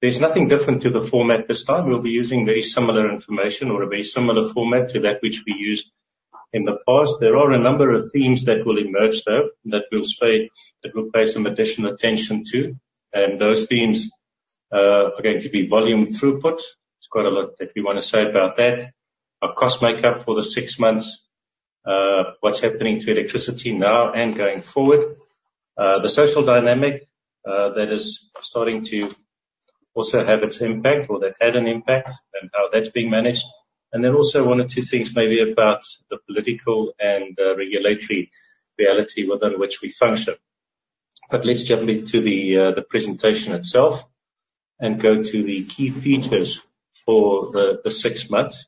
There's nothing different to the format this time. We'll be using very similar information or a very similar format to that which we used in the past. There are a number of themes that will emerge, though, that we'll pay some additional attention to. And those themes are going to be volume throughput. It's quite a lot that we wanna say about that. Our cost makeup for the six months, what's happening to electricity now and going forward, the social dynamic that is starting to also have its impact or that had an impact and how that's being managed. And then also one or two things maybe about the political and regulatory reality within which we function. But let's jump into the presentation itself and go to the key features for the six months.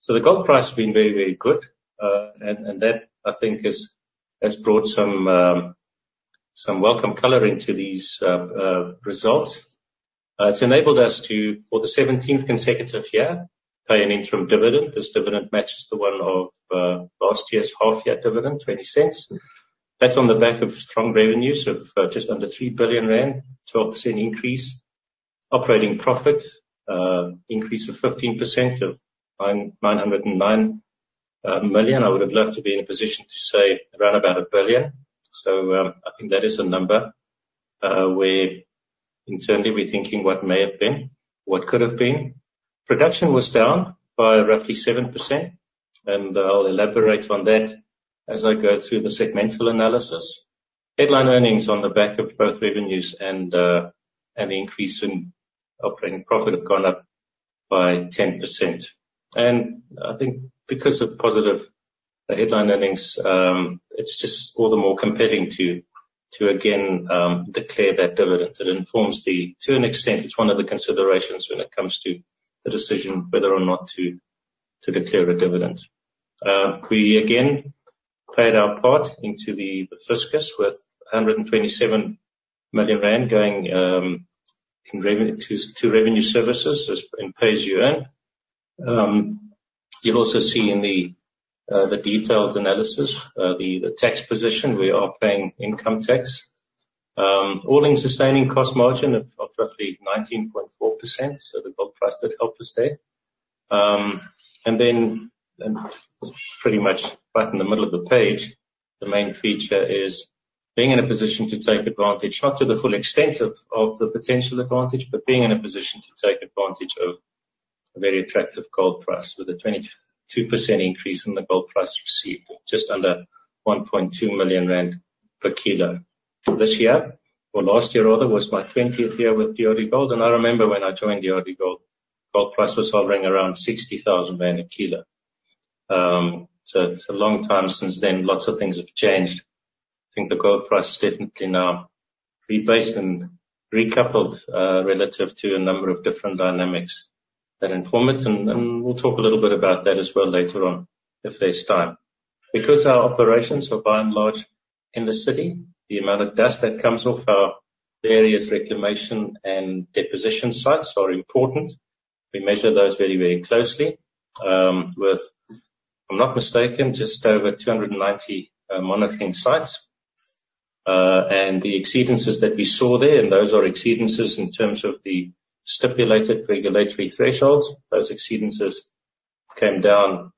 So the gold price has been very, very good, and that, I think, has brought some welcome coloring to these results. It's enabled us to, for the 17th consecutive year, pay an interim dividend. This dividend matches the one of last year's half-year dividend, 0.20. That's on the back of strong revenues of just under 3 billion rand, 12% increase. Operating profit increase of 15% of 909 million. I would have loved to be in a position to say around about 1 billion. So, I think that is a number where internally we're thinking what may have been, what could have been. Production was down by roughly 7%, and I'll elaborate on that as I go through the segmental analysis. Headline earnings on the back of both revenues and the increase in operating profit have gone up by 10%. I think because of positive, headline earnings, it's just all the more compelling to, to again, declare that dividend. It informs it to an extent, it's one of the considerations when it comes to the decision whether or not to, to declare a dividend. We again played our part into the, the fiscus with 127 million rand going in revenue to SARS, i.e., PAYE. You'll also see in the, the detailed analysis, the, the tax position. We are paying income tax. All-in Sustaining Cost margin of, of roughly 19.4%, so the gold price did help us there. And then and pretty much right in the middle of the page, the main feature is being in a position to take advantage not to the full extent of, of the potential advantage, but being in a position to take advantage of a very attractive gold price with a 22% increase in the gold price received, just under 1.2 million rand per kilogram. This year or last year, rather, was my 20th year with DRDGOLD, and I remember when I joined DRDGOLD, gold price was hovering around 60,000 rand a kilogram. So it's a long time since then. Lots of things have changed. I think the gold price is definitely now rebased and recoupled, relative to a number of different dynamics that inform it. And we'll talk a little bit about that as well later on if there's time. Because our operations are by and large in the city, the amount of dust that comes off our various reclamation and deposition sites are important. We measure those very, very closely, with, if I'm not mistaken, just over 290 monitoring sites. And the exceedances that we saw there, and those are exceedances in terms of the stipulated regulatory thresholds, those exceedances came down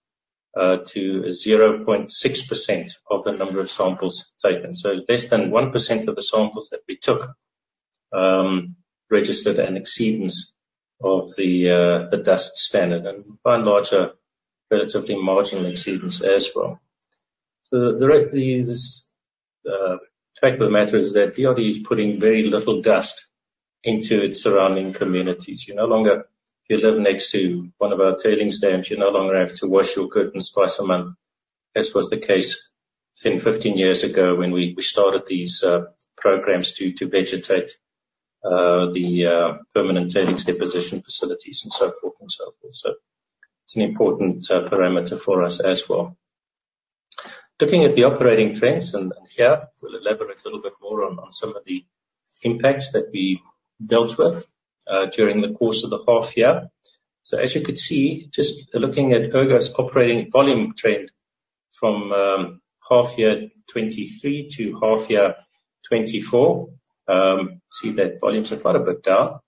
to 0.6% of the number of samples taken. So less than 1% of the samples that we took registered an exceedance of the dust standard and by and large a relatively marginal exceedance as well. So the fact of the matter is that DRD is putting very little dust into its surrounding communities. You no longer if you live next to one of our tailings dams, you no longer have to wash your curtains twice a month as was the case 10, 15 years ago when we, we started these, programs to, to vegetate, the, permanent tailings deposition facilities and so forth and so forth. So it's an important, parameter for us as well. Looking at the operating trends and, and here, we'll elaborate a little bit more on, on some of the impacts that we dealt with, during the course of the half-year. So as you could see, just looking at Ergo's operating volume trend from, half-year 2023 to half-year 2024, see that volumes are quite a bit down.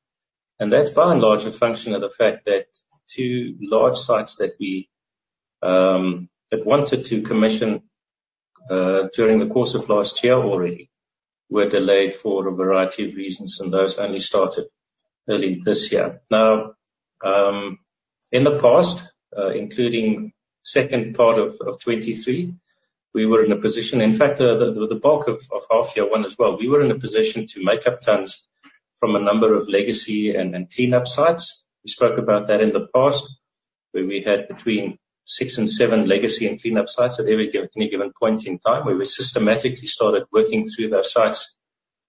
And that's by and large a function of the fact that two large sites that we, that wanted to commission, during the course of last year already were delayed for a variety of reasons, and those only started early this year. Now, in the past, including second part of 2023, we were in a position in fact, the bulk of half-year one as well, we were in a position to make up tons from a number of legacy and cleanup sites. We spoke about that in the past where we had between six and seven legacy and cleanup sites at any given point in time where we systematically started working through those sites,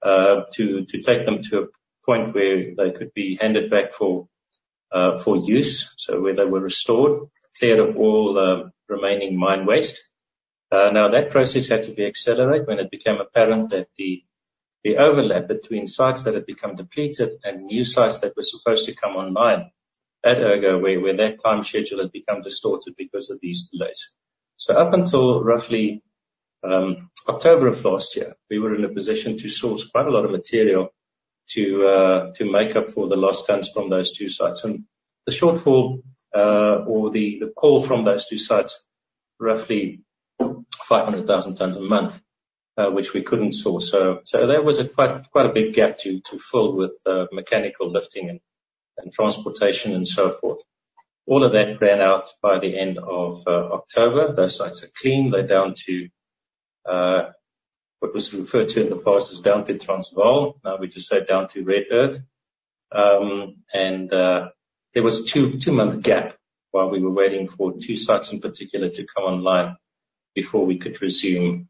to take them to a point where they could be handed back for use, so where they were restored, cleared of all remaining mine waste. Now that process had to be accelerated when it became apparent that the overlap between sites that had become depleted and new sites that were supposed to come online at Ergo, where that time schedule had become distorted because of these delays. So up until roughly October of last year, we were in a position to source quite a lot of material to make up for the lost tons from those two sites. And the shortfall, or the call from those two sites, roughly 500,000 tons a month, which we couldn't source. So there was a quite big gap to fill with mechanical lifting and transportation and so forth. All of that ran out by the end of October. Those sites are clean. They're down to what was referred to in the past as down to Transvaal. Now we just scale down to Ergo. There was a two-month gap while we were waiting for two sites in particular to come online before we could resume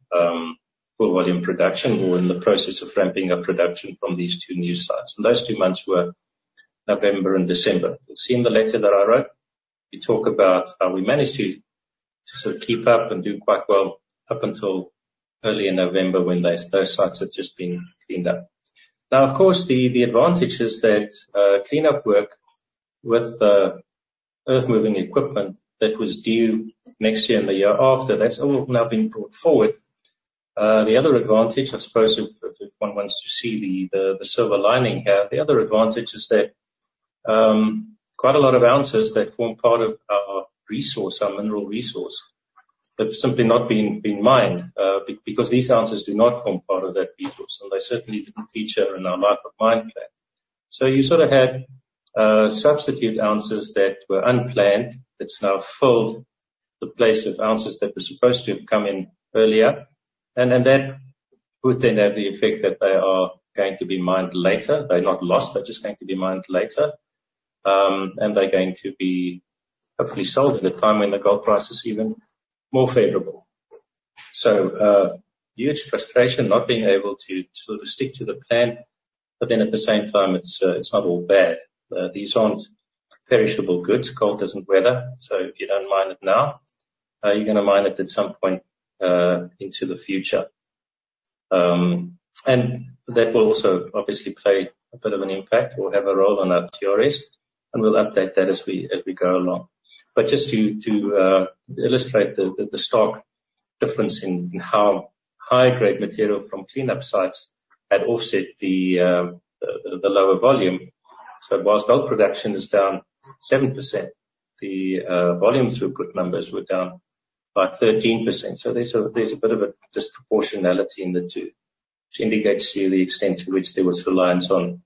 full-volume production. We were in the process of ramping up production from these two new sites. Those two months were November and December. You'll see in the letter that I wrote, we talk about how we managed to sort of keep up and do quite well up until early in November when those sites had just been cleaned up. Now, of course, the advantage is that cleanup work with the earth-moving equipment that was due next year and the year after, that's all now been brought forward. The other advantage, I suppose, if one wants to see the silver lining here, the other advantage is that quite a lot of ounces that form part of our resource, our mineral resource, have simply not been mined because these ounces do not form part of that resource, and they certainly didn't feature in our life of mine plan. So you sort of had substitute ounces that were unplanned that's now filled the place of ounces that were supposed to have come in earlier. And that would then have the effect that they are going to be mined later. They're not lost. They're just going to be mined later. And they're going to be hopefully sold at a time when the gold price is even more favorable. So, huge frustration not being able to sort of stick to the plan, but then at the same time, it's not all bad. These aren't perishable goods. Gold doesn't weather, so if you don't mine it now, you're gonna mine it at some point in the future. And that will also obviously play a bit of an impact or have a role on our [PRS] and we'll update that as we go along. But just to illustrate the stark difference in how high-grade material from cleanup sites had offset the lower volume. So while gold production is down 7%, the volume throughput numbers were down by 13%. So there's a bit of a disproportionality in the two, which indicates to you the extent to which there was reliance on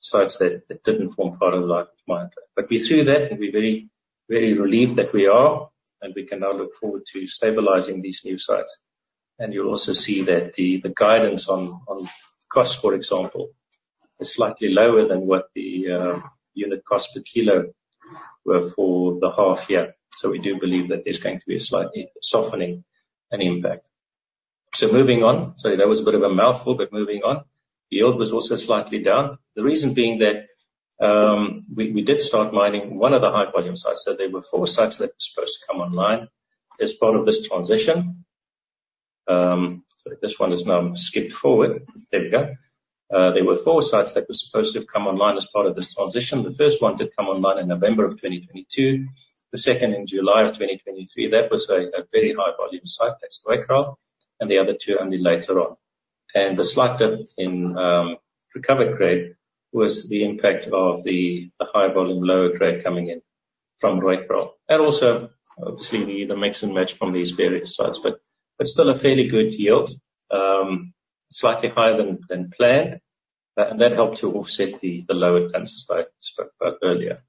sites that didn't form part of the life-of-mine plan. But we're through that, and we're very, very relieved that we are, and we can now look forward to stabilizing these new sites. And you'll also see that the guidance on cost, for example, is slightly lower than what the unit cost per kilogram were for the half-year. So we do believe that there's going to be a slight softening and impact. So, moving on—sorry, that was a bit of a mouthful—but moving on, yield was also slightly down. The reason being that we did start mining one of the high-volume sites. So there were four sites that were supposed to come online as part of this transition. Sorry, this one is now skipped forward. There we go. There were four sites that were supposed to have come online as part of this transition. The first one did come online in November of 2022. The second in July of 2023. That was a very high-volume site. That's Rooikraal, and the other two only later on. The slight difference in recovered grade was the impact of the high-volume, lower grade coming in from Rooikraal. Also, obviously, the mix and match from these various sites, but still a fairly good yield, slightly higher than planned. And that helped to offset the lower tons as I spoke about earlier.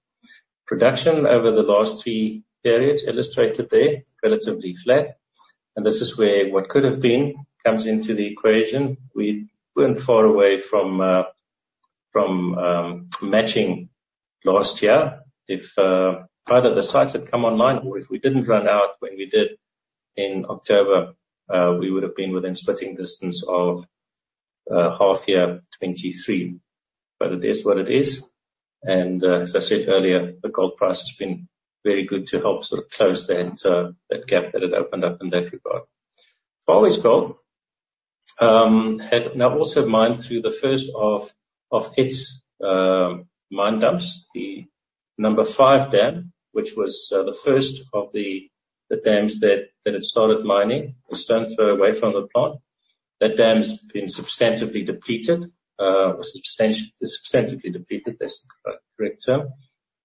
Production over the last three periods illustrated there relatively flat. This is where what could have been comes into the equation. We weren't far away from matching last year. If either the sites had come online or if we didn't run out when we did in October, we would have been within spitting distance of half-year 2023. But it is what it is. And, as I said earlier, the gold price has been very good to help sort of close that gap that had opened up in that regard. For Far West Gold had now also mined through the first of its mine dumps, the number five dam, which was the first of the dams that had started mining, a stone's throw away from the plant. That dam's been substantially depleted. That's the correct term.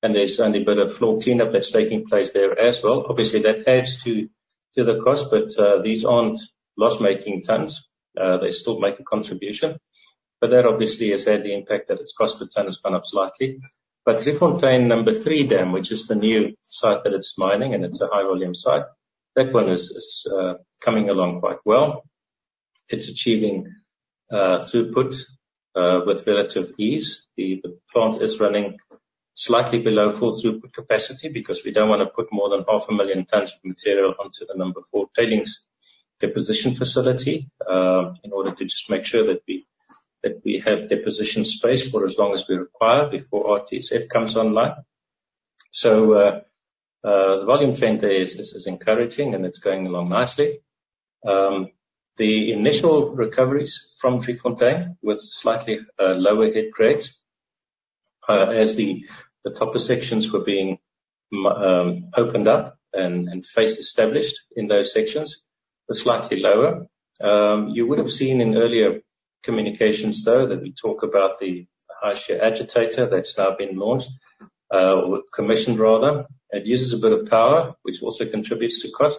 And there's only a bit of floor cleanup that's taking place there as well. Obviously, that adds to the cost, but these aren't loss-making tons. They still make a contribution. But that obviously has had the impact that its cost per ton has gone up slightly. But Driefontein Number 3 Dam, which is the new site that it's mining, and it's a high-volume site, that one is coming along quite well. It's achieving throughput with relative ease. The plant is running slightly below full throughput capacity because we don't wanna put more than 500,000 tons of material onto the number four tailings deposition facility, in order to just make sure that we have deposition space for as long as we require before RTSF comes online. So, the volume trend there is encouraging, and it's going along nicely. The initial recoveries from Driefontaine with slightly lower head grades, as the topper sections were being opened up and face established in those sections, were slightly lower. You would have seen in earlier communications, though, that we talk about the high-shear agitator that's now been launched, or commissioned, rather. It uses a bit of power, which also contributes to cost.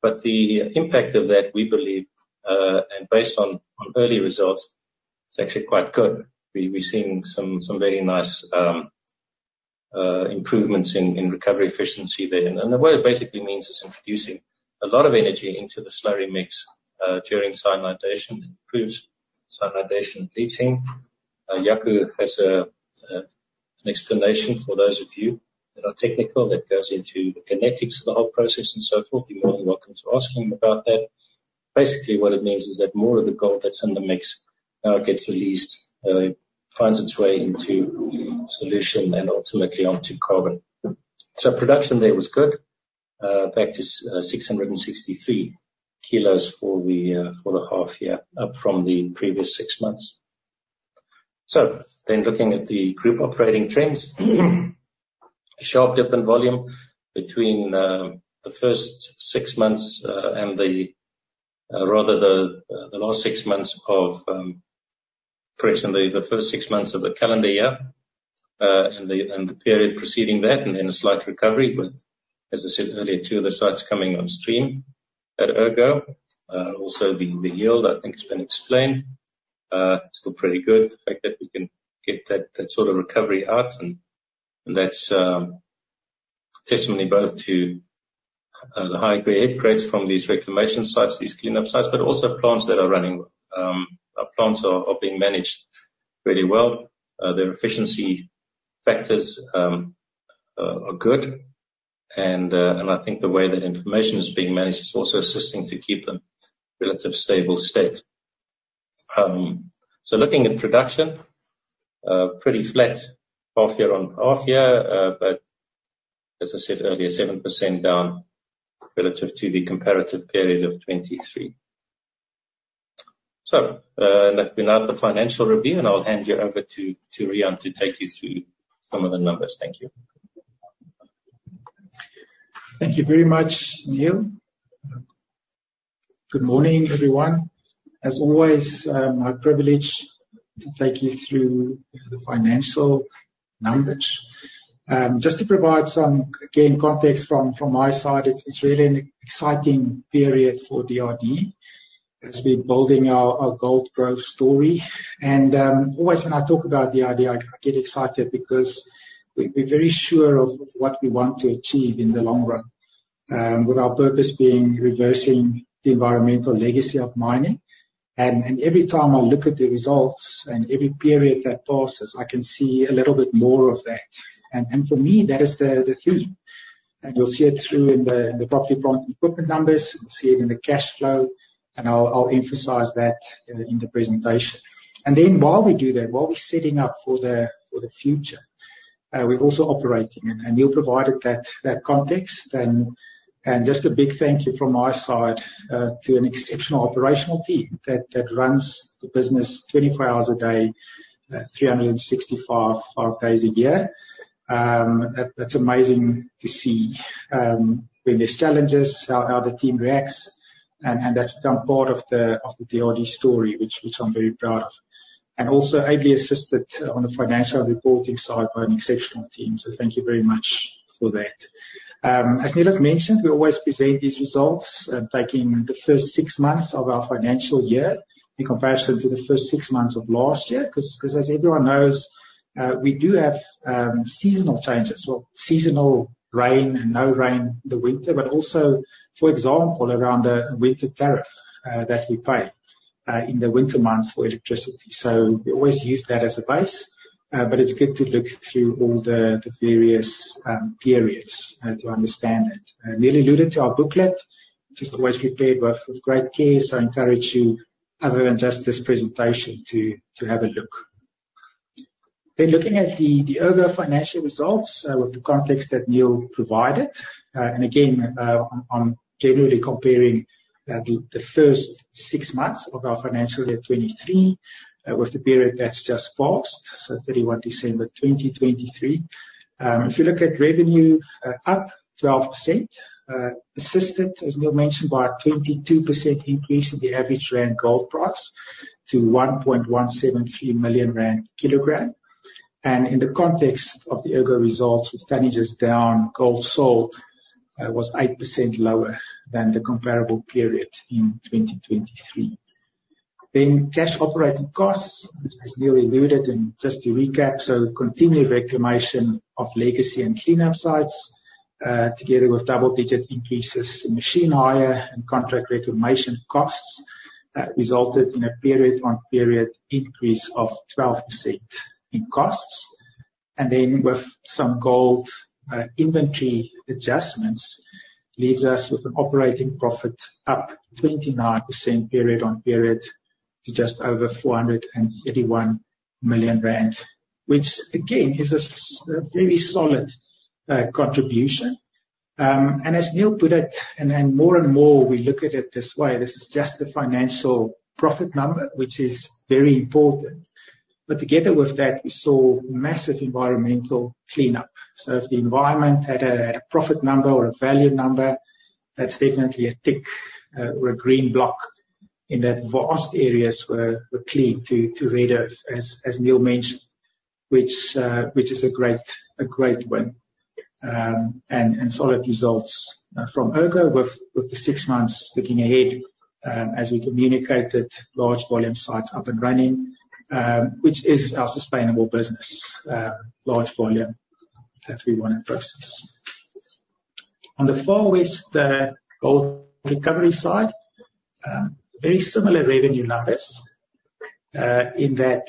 But the impact of that, we believe, and based on early results, it's actually quite good. We're seeing some very nice improvements in recovery efficiency there. And the word basically means it's introducing a lot of energy into the slurry mix during cyanidation. It improves cyanidation leaching. Jaco has an explanation for those of you that are technical that goes into the kinetics of the whole process and so forth. You're more than welcome to ask him about that. Basically, what it means is that more of the gold that's in the mix now gets released, finds its way into solution and ultimately onto carbon. So production there was good, back to 663 kg for the half-year up from the previous six months. So then looking at the group operating trends, a sharp dip in volume between the first six months of the calendar year and the period preceding that, and then a slight recovery with, as I said earlier, two of the sites coming on stream at Ergo. Also the yield, I think, has been explained. Still pretty good, the fact that we can get that sort of recovery out. And that's testimony both to the high-grade head grades from these reclamation sites, these cleanup sites, but also plants that are running. Our plants are being managed really well. Their efficiency factors are good. I think the way that information is being managed is also assisting to keep them relatively stable state. So looking at production, pretty flat half-year on half-year, but as I said earlier, 7% down relative to the comparative period of 2023. That will now be the financial review, and I'll hand you over to Riaan to take you through some of the numbers. Thank you. Thank you very much, Niël. Good morning, everyone. As always, my privilege to take you through the financial numbers. Just to provide some, again, context from my side, it's really an exciting period for DRD as we're building our gold growth story. And always when I talk about DRD, I, I get excited because we, we're very sure of, of what we want to achieve in the long run, with our purpose being reversing the environmental legacy of mining. And every time I look at the results and every period that passes, I can see a little bit more of that. And for me, that is the, the theme. And you'll see it through in the property plant equipment numbers. You'll see it in the cash flow, and I'll, I'll emphasize that, in the presentation. And then while we do that, while we're setting up for the future, we're also operating. And Niël provided that, that context. And just a big thank you from my side to an exceptional operational team that runs the business 24 hours a day, 365 days a year. That's amazing to see, when there's challenges, how the team reacts. And that's become part of the DRD story, which I'm very proud of. And also ably assisted on the financial reporting side by an exceptional team. So thank you very much for that. As Niël has mentioned, we always present these results, taking the first six months of our financial year in comparison to the first six months of last year 'cause, as everyone knows, we do have seasonal changes, well, seasonal rain and no rain in the winter, but also, for example, around a winter tariff that we pay in the winter months for electricity. So we always use that as a base, but it's good to look through all the various periods to understand it. Niël alluded to our booklet. Just always prepared with great care. So I encourage you, other than just this presentation, to have a look. Then looking at the DRDGOLD financial results, with the context that Niël provided, and again, I'm generally comparing the first six months of our financial year 2023 with the period that's just passed, so 31 December 2023. If you look at revenue, up 12%, assisted, as Niël mentioned, by a 22% increase in the average rand gold price to 1.173 million rand per kilogram. And in the context of the DRDGOLD results, with tonnages down, gold sold was 8% lower than the comparable period in 2023. Cash operating costs, as Niël alluded, and just to recap, so continued reclamation of legacy and cleanup sites, together with double-digit increases in machine hire and contract reclamation costs, resulted in a period-on-period increase of 12% in costs. Then with some gold inventory adjustments, leaves us with an operating profit up 29% period-on-period to just over 431 million rand, which, again, is as a very solid contribution. And as Niël put it, and more and more we look at it this way, this is just the financial profit number, which is very important. But together with that, we saw massive environmental cleanup. So if the environment had a profit number or a value number, that's definitely a tick, or a green block in that vast areas were cleaned to redo as Niël mentioned, which is a great win. solid results from Ergo with the six months looking ahead, as we communicated, large-volume sites up and running, which is our sustainable business, large volume that we wanna process. On the Far West, the gold recovery side, very similar revenue numbers, in that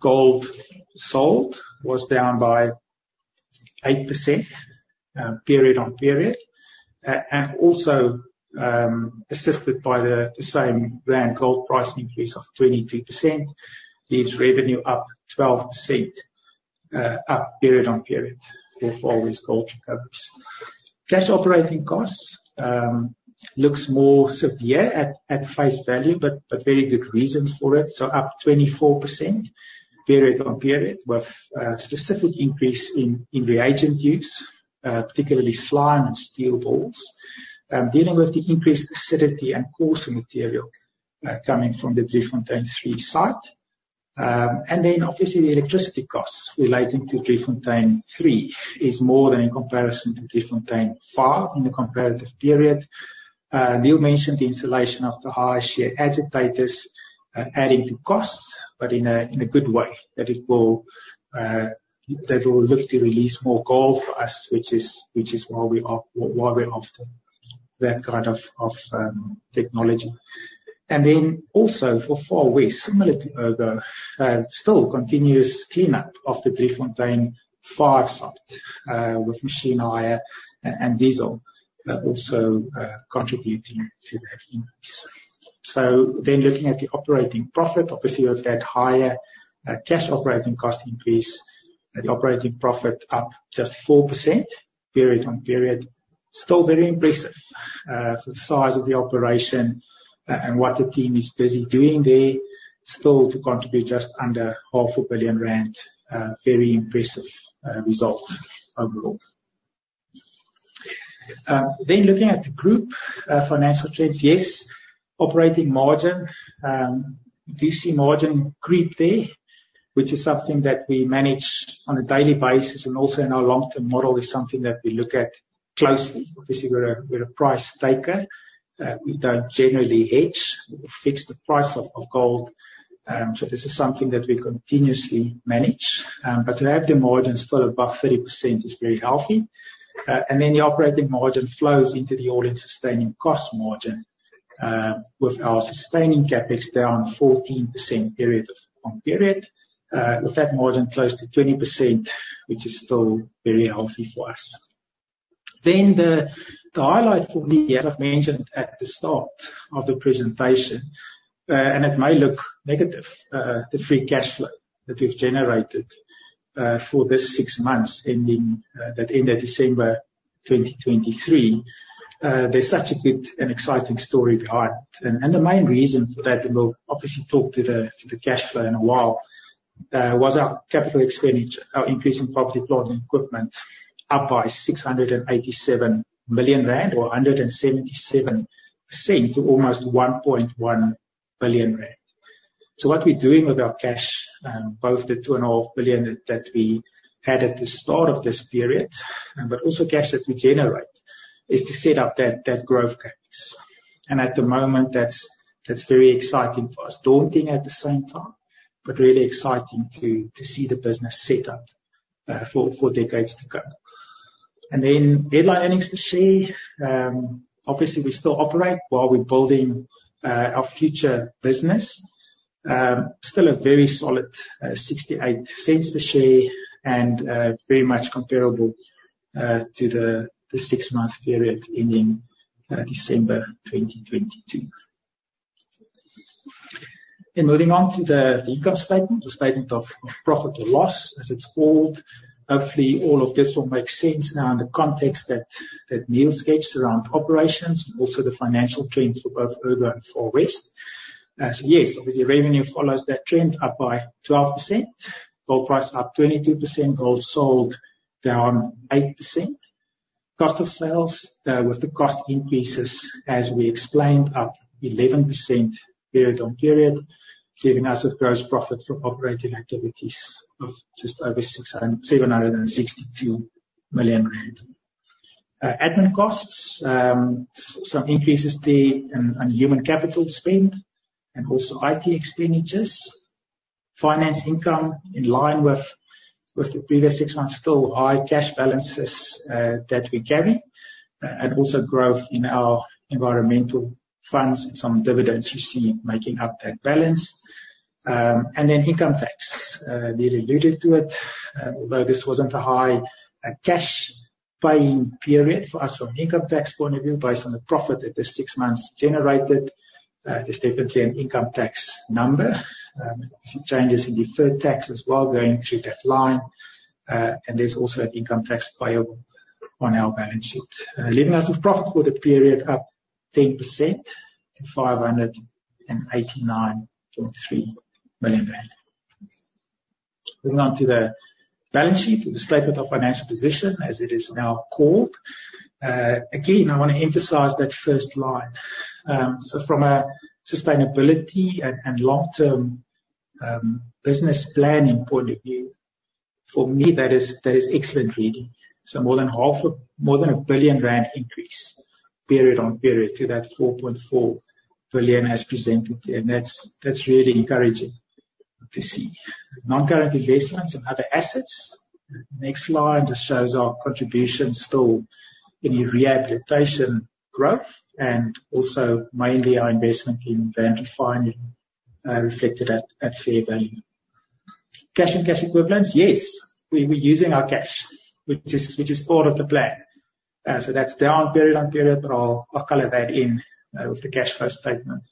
gold sold was down by 8% period-on-period, and also assisted by the same rand gold price increase of 22% leaves revenue up 12% period-on-period for Far West Gold Recoveries. Cash operating costs looks more severe at face value, but very good reasons for it. So up 24% period-on-period with specific increase in reagent use, particularly slime and steel balls, dealing with the increased acidity and coarser material coming from the Driefontein 3 site. And then obviously, the electricity costs relating to Driefontein 3 is more than in comparison to Driefontein 5 in the comparative period. Niël mentioned the installation of the high-shear agitators, adding to costs, but in a good way, that it will look to release more gold for us, which is why we're after that kind of technology. Then also for Far West, similar to Ergo, still continuous cleanup of the Gryfontaine 5 site, with machine hire and diesel, also, contributing to that increase. So then looking at the operating profit, obviously, with that higher cash operating cost increase, the operating profit up just 4% period-on-period, still very impressive, for the size of the operation, and what the team is busy doing there, still to contribute just under 500,000,000 rand very impressive, result overall. Then, looking at the group financial trends, yes, operating margin, do you see margin creep there, which is something that we manage on a daily basis and also in our long-term model is something that we look at closely. Obviously, we're a we're a price taker. We don't generally hedge. We fix the price of, of gold. So this is something that we continuously manage. But to have the margin still above 30% is very healthy. And then the operating margin flows into the all-in sustaining cost margin, with our sustaining CapEx down 14% period-on-period, with that margin close to 20%, which is still very healthy for us. Then the highlight for me, as I've mentioned at the start of the presentation, and it may look negative, the free cash flow that we've generated for this six months ending that ended December 2023, there's such a good and exciting story behind it. And the main reason for that, and we'll obviously talk to the cash flow in a while, was our capital expenditure, our increase in property, plant and equipment up by 687 million rand or 177% to almost 1.1 billion rand. So what we're doing with our cash, both the 2.5 billion that we had at the start of this period, but also cash that we generate, is to set up that growth capex. And at the moment, that's very exciting for us, daunting at the same time, but really exciting to see the business set up for decades to come. And then headline earnings per share, obviously, we still operate while we're building our future business, still a very solid $0.68 per share and very much comparable to the six-month period ending December 2022. And moving on to the income statement or statement of profit or loss as it's called. Hopefully, all of this will make sense now in the context that Niël sketched around operations and also the financial trends for both Ergo and Far West. So yes, obviously, revenue follows that trend up by 12%, gold price up 22%, gold sold down 8%, cost of sales, with the cost increases, as we explained, up 11% period-on-period, giving us a gross profit from operating activities of just of 762 million rand. Admin costs, some increases there and, and human capital spend and also IT expenditures, finance income in line with, with the previous six months, still high cash balances, that we carry, and also growth in our environmental funds and some dividends received making up that balance. And then income tax, Niël alluded to it, although this wasn't a high, cash paying period for us from an income tax point of view based on the profit that the six months generated, there's definitely an income tax number. Obviously, changes in deferred tax as well going through that line. And there's also an income tax payable on our balance sheet, leaving us with profit for the period up 10% to 589.3 million rand. Moving on to the balance sheet or the statement of financial position as it is now called. Again, I wanna emphasize that first line. So from a sustainability and, and long-term, business planning point of view, for me, that is that is excellent reading. So more than half a more than 1 billion rand increase period-on-period to that 4.4 billion as presented there. And that's, that's really encouraging to see. Non-current investments and other assets, next line, just shows our contribution still in the rehabilitation growth and also mainly our investment in Rand Refinery, reflected at, at fair value. Cash and cash equivalents, yes, we're, we're using our cash, which is which is part of the plan. So that's down period-on-period, but I'll color that in with the cash flow statement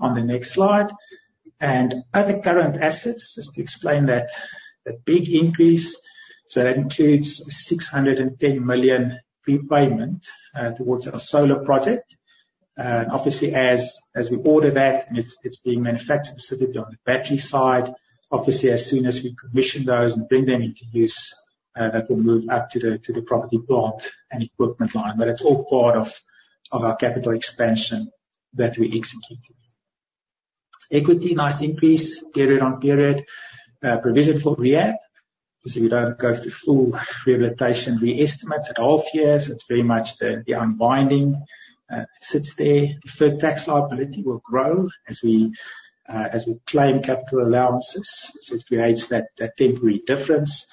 on the next slide. And other current assets, just to explain that big increase, so that includes a 610 million repayment towards our solar project. And obviously, as we order that, and it's being manufactured specifically on the battery side, obviously, as soon as we commission those and bring them into use, that will move up to the property, plant and equipment line. But it's all part of our capital expansion that we execute. Equity, nice increase period-on-period. Provision for rehab, obviously, we don't go through full rehabilitation re-estimates at half years. It's very much the unwinding. It sits there. The deferred tax liability will grow as we claim capital allowances. So it creates that temporary difference.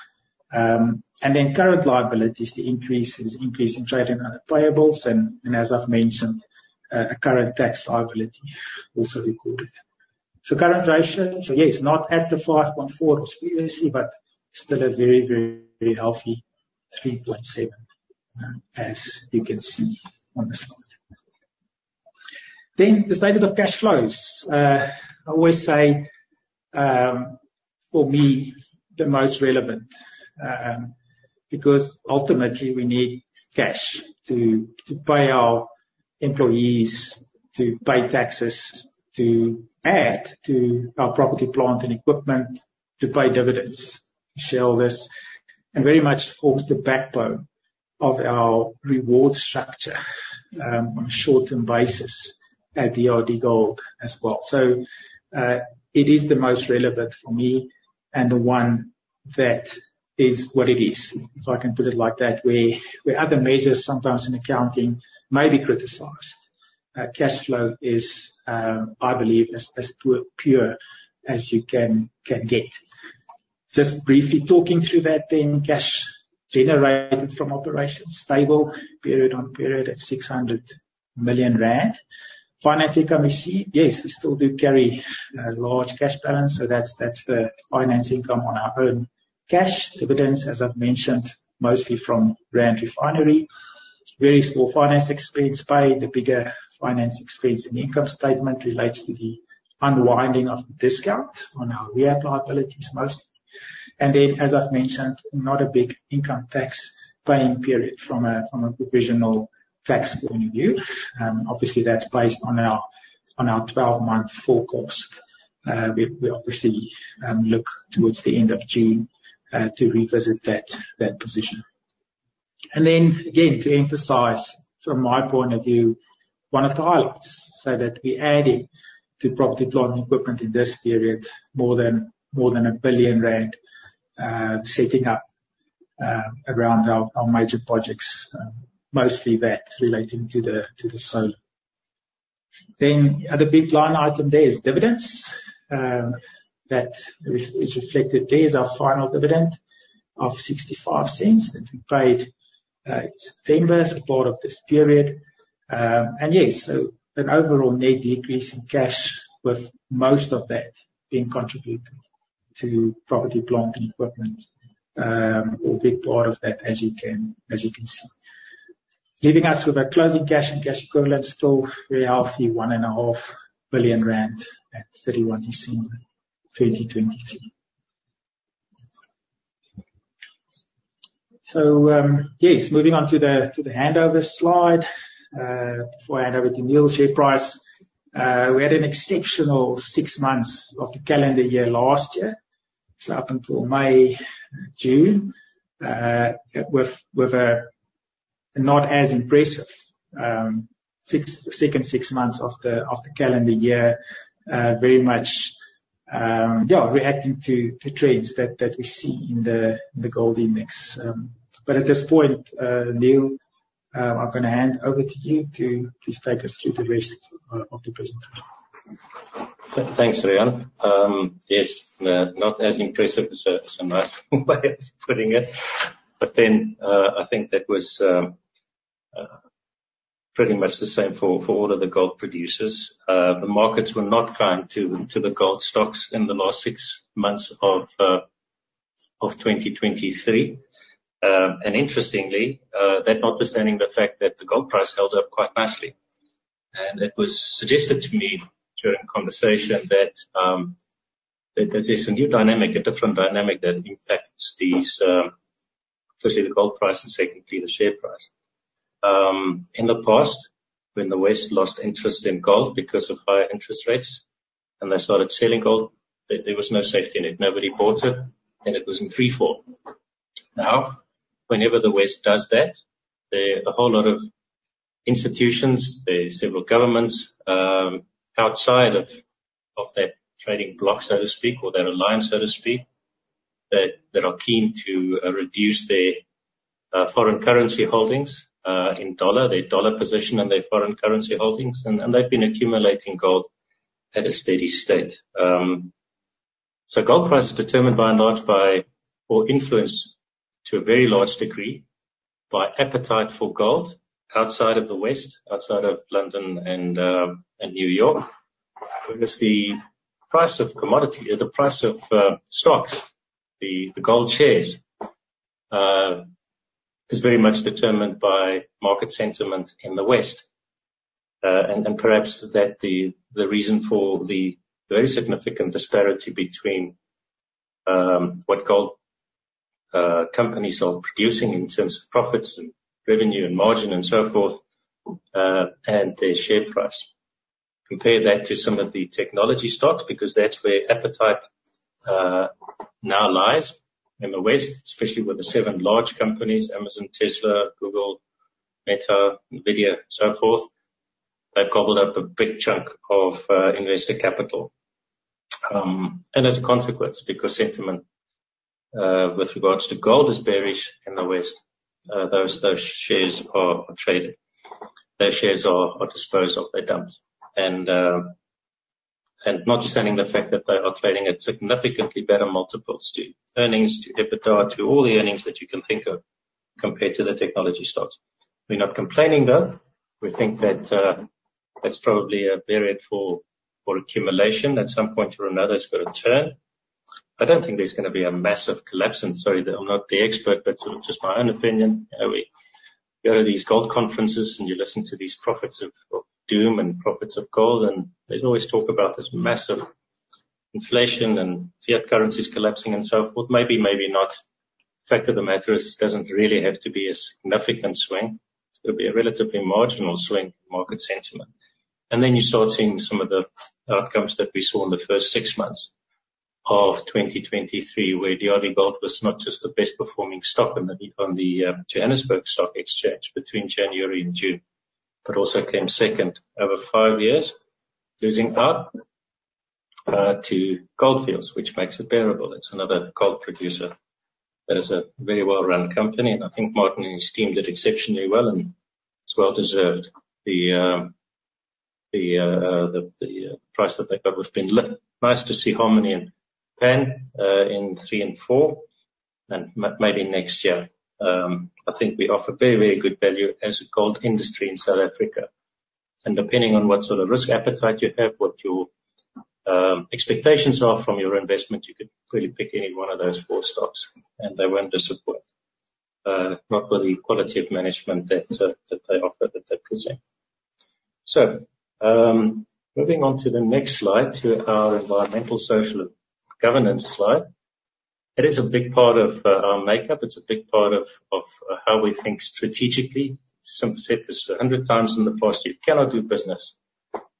Then current liabilities, the increase is increasing trading on the payables. As I've mentioned, a current tax liability also recorded. So current ratio, so yes, not at the 5.4 as previously, but still a very, very, very healthy 3.7, as you can see on the slide. Then the statement of cash flows, I always say, for me, the most relevant, because ultimately, we need cash to pay our employees, to pay taxes, to add to our property, plant and equipment, to pay dividends, to share all this, and very much forms the backbone of our reward structure, on a short-term basis at DRDGOLD as well. So, it is the most relevant for me and the one that is what it is, if I can put it like that, where other measures sometimes in accounting may be criticized. Cash flow is, I believe, as pure as you can get. Just briefly talking through that then, cash generated from operations, stable period-on-period at 600 million rand. Finance income received, yes, we still do carry large cash balance. So that's the finance income on our own cash, dividends, as I've mentioned, mostly from Rand Refinery, very small finance expense paid, the bigger finance expense in the income statement relates to the unwinding of the discount on our rehab liabilities mostly. And then, as I've mentioned, not a big income tax paying period from a provisional tax point of view. Obviously, that's based on our 12-month full cost. We obviously look towards the end of June to revisit that position. Then, again, to emphasize from my point of view, one of the highlights, so that we added to property, plant and equipment in this period more than 1 billion rand, setting up around our major projects, mostly that relating to the solar. Then other big line item there is dividends, that is reflected there as our final dividend of 0.65 that we paid in September as part of this period. Yes, so an overall net decrease in cash with most of that being contributed to property, plant and equipment, or a big part of that as you can see. Leaving us with our closing cash and cash equivalents still very healthy, 1.5 billion rand at 31 December 2023. So, yes, moving on to the handover slide, before I hand over to Niël, share price, we had an exceptional six months of the calendar year last year, so up until May-June, with a not as impressive second six months of the calendar year, very much reacting to trends that we see in the gold index. But at this point, Niël, I'm gonna hand over to you to please take us through the rest of the presentation. So thanks, Riaan. Yes, not as impressive as a market way of putting it, but then, I think that was pretty much the same for all of the gold producers. The markets were not kind to the gold stocks in the last six months of 2023. Interestingly, that notwithstanding the fact that the gold price held up quite nicely, and it was suggested to me during conversation that, that there's this new dynamic, a different dynamic that impacts these, firstly, the gold price and secondly, the share price. In the past, when the West lost interest in gold because of higher interest rates and they started selling gold, there was no safety in it. Nobody bought it, and it was in free fall. Now, whenever the West does that, there are a whole lot of institutions, there are several governments, outside of, of that trading block, so to speak, or that alliance, so to speak, that that are keen to reduce their, foreign currency holdings, in dollar, their dollar position in their foreign currency holdings. And they've been accumulating gold at a steady state. So gold price is determined by and large by or influenced to a very large degree by appetite for gold outside of the West, outside of London and New York, whereas the price of commodity or the price of stocks, the gold shares, is very much determined by market sentiment in the West. And perhaps that the reason for the very significant disparity between what gold companies are producing in terms of profits and revenue and margin and so forth, and their share price. Compare that to some of the technology stocks because that's where appetite now lies in the West, especially with the seven large companies, Amazon, Tesla, Google, Meta, NVIDIA, and so forth. They've gobbled up a big chunk of investor capital. And as a consequence, because sentiment with regards to gold is bearish in the West, those shares are traded. Their shares are disposed of, they're dumped. Notwithstanding the fact that they are trading at significantly better multiples to earnings, to EBITDA, to all the earnings that you can think of compared to the technology stocks. We're not complaining, though. We think that that's probably a barrier for accumulation at some point or another. It's gonna turn. I don't think there's gonna be a massive collapse. Sorry, I'm not the expert, but sort of just my own opinion. You know, we go to these gold conferences, and you listen to these prophets of doom and prophets of gold, and they always talk about this massive inflation and fiat currencies collapsing and so forth. Maybe, maybe not. The fact of the matter is, it doesn't really have to be a significant swing. It'll be a relatively marginal swing in market sentiment. And then you start seeing some of the outcomes that we saw in the first six months of 2023 where DRDGOLD was not just the best-performing stock on the Johannesburg Stock Exchange between January and June, but also came second over five years, losing out to Gold Fields, which makes it bearable. It's another gold producer that is a very well-run company. And I think Martin and his team did exceptionally well and it's well deserved. The price that they got has been nice. To see Harmony in third and fourth and maybe next year. I think we offer very, very good value as a gold industry in South Africa. Depending on what sort of risk appetite you have, what your expectations are from your investment, you could really pick any one of those four stocks, and they won't disappoint, not with the quality of management that they offer that they present. So, moving on to the next slide, to our environmental, social, and governance slide, it is a big part of our makeup. It's a big part of how we think strategically. Some have said this 100 times in the past: you cannot do business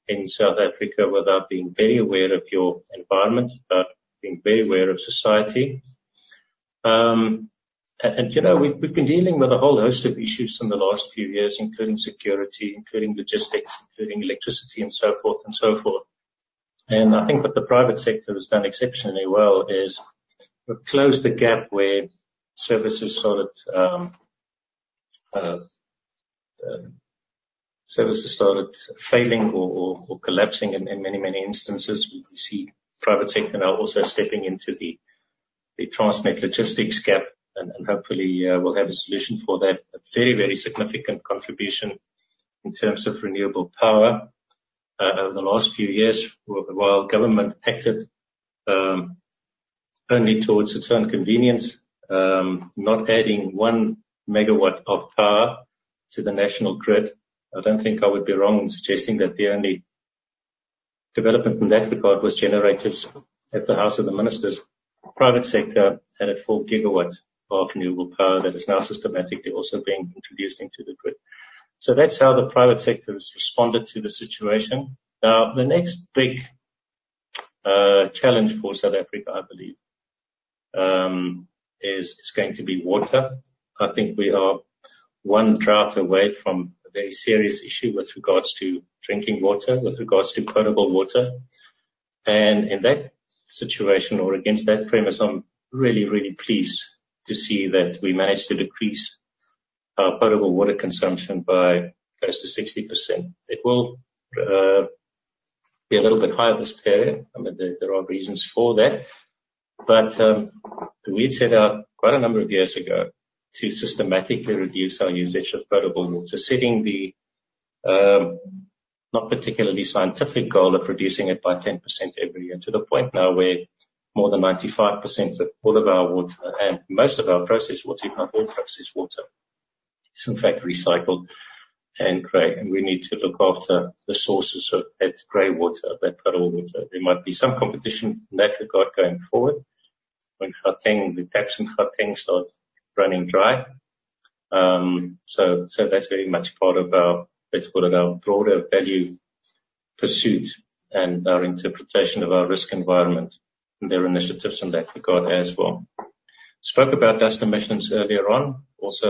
in South Africa without being very aware of your environment, but being very aware of society. And, you know, we've been dealing with a whole host of issues in the last few years, including security, including logistics, including electricity, and so forth and so forth. I think what the private sector has done exceptionally well is close the gap where services started failing or collapsing in many instances. We see the private sector now also stepping into the Transnet logistics gap, and hopefully, we'll have a solution for that. A very, very significant contribution in terms of renewable power, over the last few years while government acted only towards its own convenience, not adding 1 MW of power to the national grid. I don't think I would be wrong in suggesting that the only development in that regard was generators at the House of the Ministers. The private sector added 4 GW of renewable power that is now systematically also being introduced into the grid. So that's how the private sector has responded to the situation. Now, the next big challenge for South Africa, I believe, is it's going to be water. I think we are one drought away from a very serious issue with regards to drinking water, with regards to potable water. And in that situation or against that premise, I'm really, really pleased to see that we managed to decrease our potable water consumption by close to 60%. It will be a little bit higher this period. I mean, there are reasons for that. But we had set out quite a number of years ago to systematically reduce our usage of potable water, setting the not particularly scientific goal of reducing it by 10% every year to the point now where more than 95% of all of our water and most of our processed water, even our whole processed water, is in fact recycled and grey. We need to look after the sources of that gray water, that potable water. There might be some competition in that regard going forward when Gauteng, the taps in Gauteng, start running dry. So that's very much part of our, let's call it, our broader value pursuit and our interpretation of our risk environment and their initiatives in that regard as well. Spoke about dust emissions earlier on, also,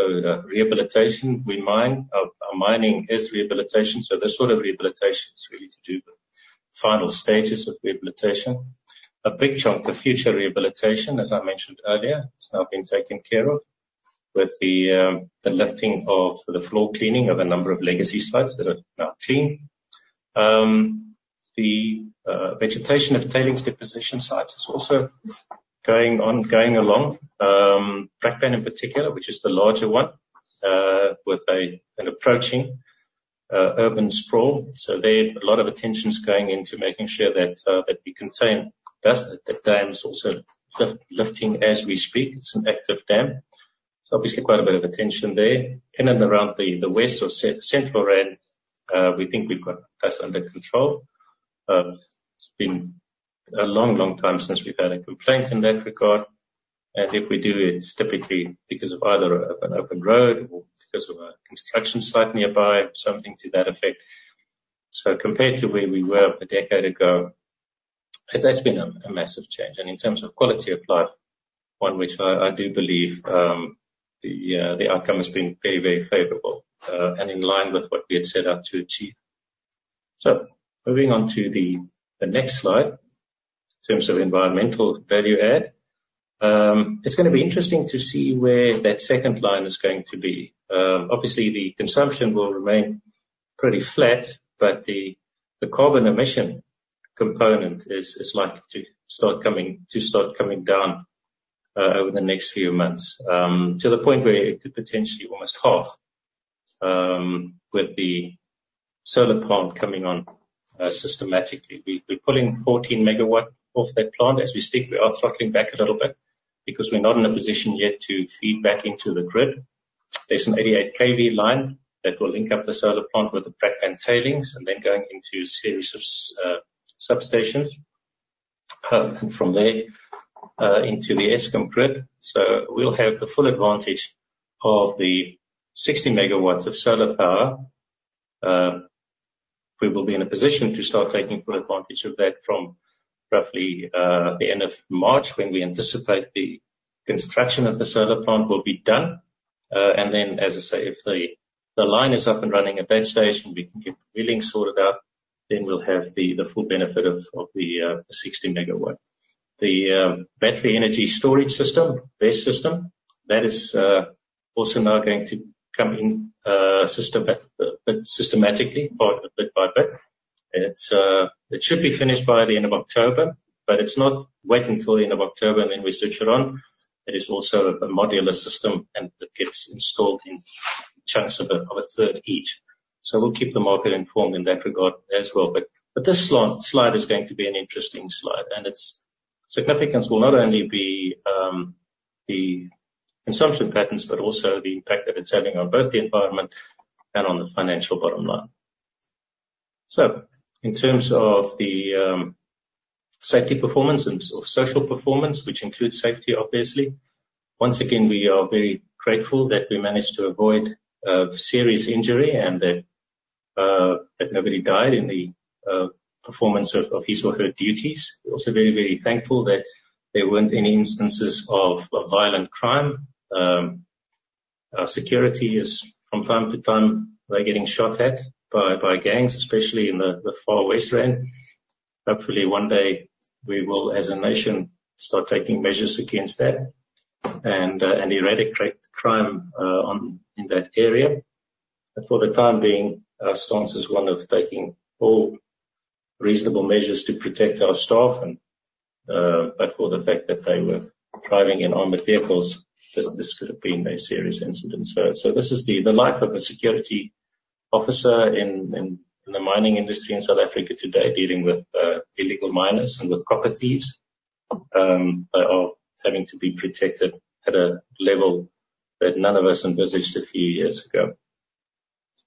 rehabilitation. We mine. Our mining is rehabilitation. So this sort of rehabilitation is really to do with final stages of rehabilitation. A big chunk of future rehabilitation, as I mentioned earlier, is now being taken care of with the lifting of the floor cleaning of a number of legacy sites that are now clean. The vegetation of tailings deposition sites is also going on, going along. Brakpan in particular, which is the larger one, with an approaching urban sprawl. So there's a lot of attention going into making sure that we contain dust, that the dam's also lifting as we speak. It's an active dam. So obviously, quite a bit of attention there. In and around the West or Central Rand, we think we've got dust under control. It's been a long, long time since we've had a complaint in that regard. And if we do, it's typically because of either an open road or because of a construction site nearby, something to that effect. So compared to where we were a decade ago, that's been a massive change. And in terms of quality of life, one which I do believe, the outcome has been very, very favorable, and in line with what we had set out to achieve. So moving on to the next slide in terms of environmental value add, it's gonna be interesting to see where that second line is going to be. Obviously, the consumption will remain pretty flat, but the carbon emission component is likely to start coming down, over the next few months, to the point where it could potentially almost half, with the solar plant coming on, systematically. We've been pulling 14 MW off that plant as we speak. We are throttling back a little bit because we're not in a position yet to feed back into the grid. There's an 88 kV line that will link up the solar plant with the Brakpan Tailings and then going into a series of substations, and from there, into the Eskom grid. So we'll have the full advantage of the 60 MW of solar power. We will be in a position to start taking full advantage of that from roughly the end of March when we anticipate the construction of the solar plant will be done. And then, as I say, if the line is up and running at that station, we can get the wheeling sorted out, then we'll have the full benefit of the 60 MW. The battery energy storage system, BESS system, that is also now going to come in systematically, a bit by bit. It should be finished by the end of October, but it's not waiting till the end of October and then we switch it on. It is also a modular system, and it gets installed in chunks of a third each. So we'll keep the market informed in that regard as well. But this slide is going to be an interesting slide, and its significance will not only be the consumption patterns but also the impact that it's having on both the environment and on the financial bottom line. So in terms of the safety performance and social performance, which includes safety, obviously, once again, we are very grateful that we managed to avoid serious injury and that nobody died in the performance of his or her duties. Also very, very thankful that there weren't any instances of violent crime. Security is from time to time...they're getting shot at by gangs, especially in the Far West Rand. Hopefully, one day, we will, as a nation, start taking measures against that and eradicate crime in that area. But for the time being, our stance is one of taking all reasonable measures to protect our staff and, but for the fact that they were driving in armored vehicles, this could have been a serious incident. So this is the life of a security officer in the mining industry in South Africa today dealing with illegal miners and with copper thieves that are having to be protected at a level that none of us envisaged a few years ago.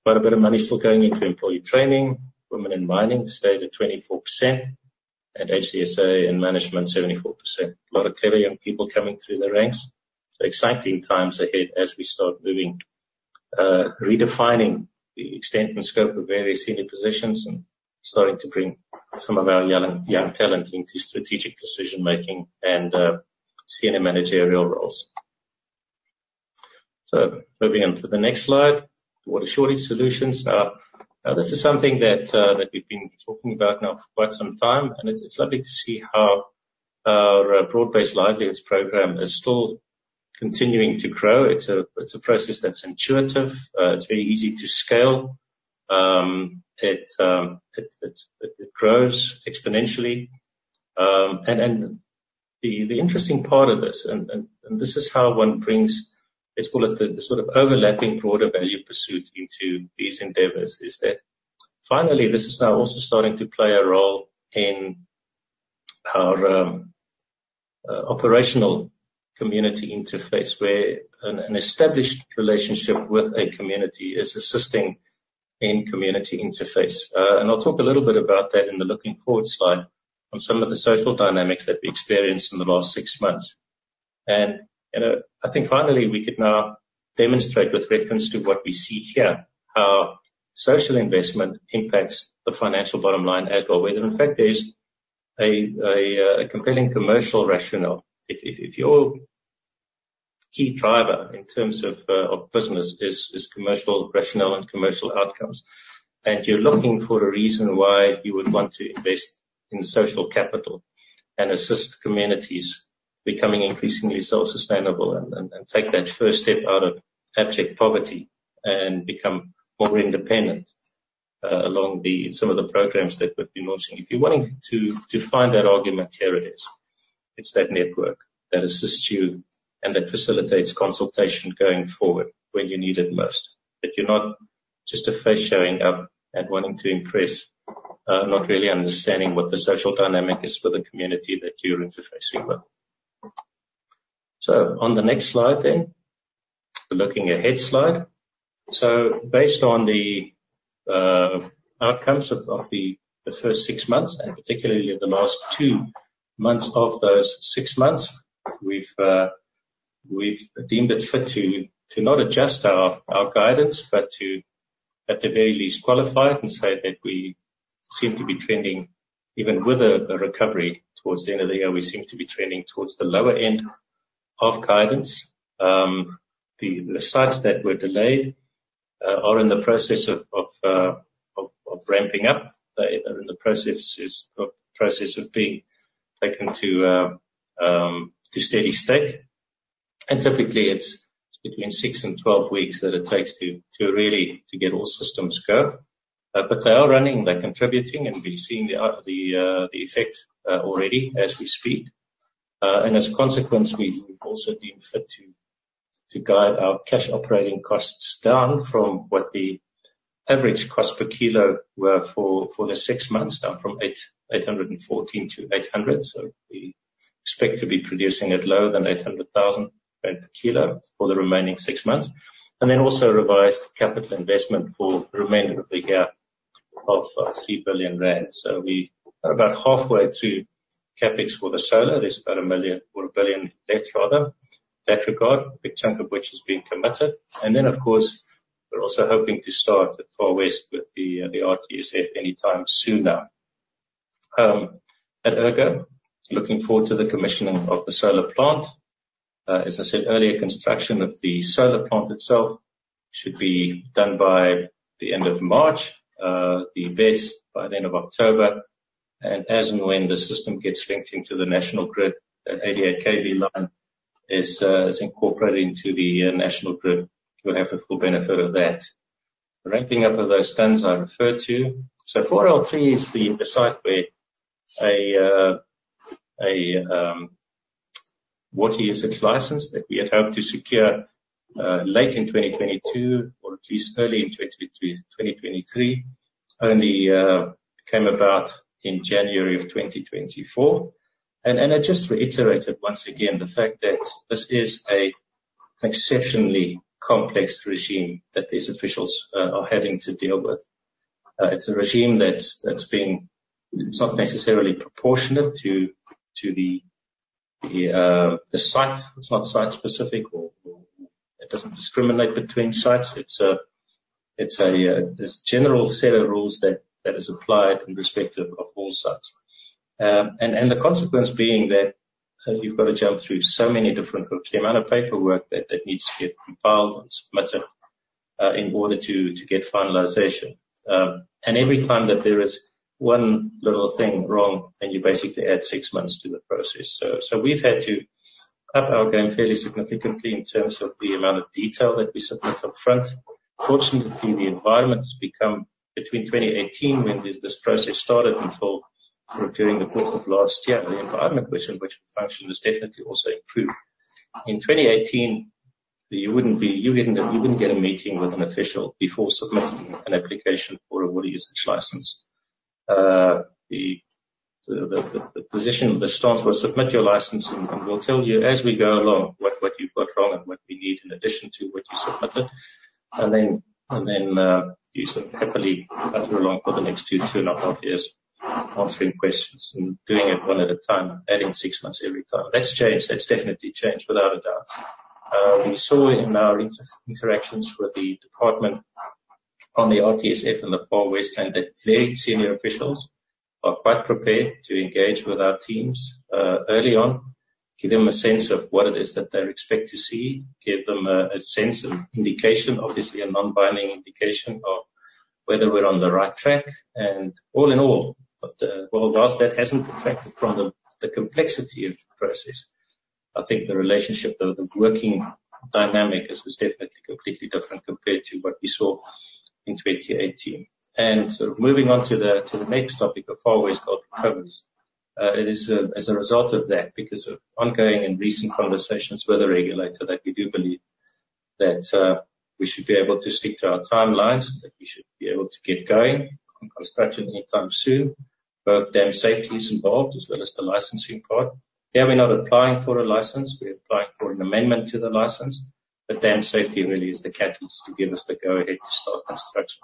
Quite a bit of money still going into employee training. Women in mining stayed at 24% and HDSA in management 74%. A lot of clever young people coming through the ranks. So exciting times ahead as we start moving, redefining the extent and scope of various senior positions and starting to bring some of our young talent into strategic decision-making and senior managerial roles. So moving on to the next slide, water shortage solutions. Now, this is something that we've been talking about now for quite some time, and it's lovely to see how our Broad-Based Livelihoods program is still continuing to grow. It's a process that's intuitive. It's very easy to scale. It grows exponentially. And the interesting part of this and this is how one brings, let's call it, the sort of overlapping broader value pursuit into these endeavors is that finally, this is now also starting to play a role in our operational community interface where an established relationship with a community is assisting in community interface. And I'll talk a little bit about that in the looking forward slide on some of the social dynamics that we experienced in the last six months. You know, I think finally, we could now demonstrate with reference to what we see here, how social investment impacts the financial bottom line as well, where in fact, there's a compelling commercial rationale. If your key driver in terms of business is commercial rationale and commercial outcomes, and you're looking for a reason why you would want to invest in social capital and assist communities becoming increasingly self-sustainable and take that first step out of abject poverty and become more independent, along the some of the programs that we've been launching. If you're wanting to find that argument, here it is. It's that network that assists you and that facilitates consultation going forward when you need it most, that you're not just a face showing up and wanting to impress, not really understanding what the social dynamic is for the community that you're interfacing with. So on the next slide then, the looking ahead slide. So based on the outcomes of the first six months and particularly the last two months of those six months, we've deemed it fit to not adjust our guidance but to, at the very least, qualify it and say that we seem to be trending even with a recovery towards the end of the year, we seem to be trending towards the lower end of guidance. The sites that were delayed are in the process of ramping up. They're in the process of being taken to steady state. And typically, it's between six and 12 weeks that it takes to really get all systems going. But they are running. They're contributing, and we're seeing the effect already as we speak. And as a consequence, we've also deemed fit to guide our cash operating costs down from what the average cost per kilogram were for the six months, down from 814,000 to 800,000. So we expect to be producing at lower than 800,000 per kilogram for the remaining six months and then also revised capital investment for the remainder of the year of 3 billion rand. So we are about halfway through CapEx for the solar. There's about 1 million or 1 billion left, rather, in that regard, a big chunk of which is being committed. Then, of course, we're also hoping to start at Far West with the RTSF anytime soon now. At Ergo, looking forward to the commissioning of the solar plant. As I said earlier, construction of the solar plant itself should be done by the end of March, the BESS by the end of October. And as and when the system gets linked into the national grid, that 88 kV line is incorporated into the national grid. We'll have the full benefit of that. The ramping up of those tons I referred to so 4L3 is the site where a water usage license that we had hoped to secure, late in 2022 or at least early in 2023 only, came about in January of 2024. I just reiterated once again the fact that this is an exceptionally complex regime that these officials are having to deal with. It's a regime that's been. It's not necessarily proportionate to the site. It's not site-specific or it doesn't discriminate between sites. It's a. There's a general set of rules that is applied in respect of all sites. And the consequence being that, you've got to jump through so many different groups. The amount of paperwork that needs to get compiled and submitted in order to get finalization. And every time that there is one little thing wrong, then you basically add six months to the process. So we've had to cut our game fairly significantly in terms of the amount of detail that we submit upfront. Fortunately, the environment has become between 2018 when this process started until during the course of last year, the environment in which the function has definitely also improved. In 2018, you wouldn't get a meeting with an official before submitting an application for a water usage license. The position of the stance was, "Submit your license, and we'll tell you as we go along what you've got wrong and what we need in addition to what you submitted." And then, you sort of happily cut through along for the next two and a half years answering questions and doing it one at a time, adding six months every time. That's changed. That's definitely changed, without a doubt. We saw in our interactions with the department on the RTSF in the Far West Rand that very senior officials are quite prepared to engage with our teams early on, give them a sense of what it is that they expect to see, give them a sense of indication, obviously a non-binding indication of whether we're on the right track. All in all, while that hasn't detracted from the complexity of the process, I think the relationship, the working dynamic is definitely completely different compared to what we saw in 2018. Sort of moving on to the next topic of Far West Gold Recoveries, it is as a result of that because of ongoing and recent conversations with the regulator that we do believe that we should be able to stick to our timelines, that we should be able to get going on construction anytime soon, both dam safety is involved as well as the licensing part. Yeah, we're not applying for a license. We're applying for an amendment to the license. But dam safety really is the catalyst to give us the go-ahead to start construction.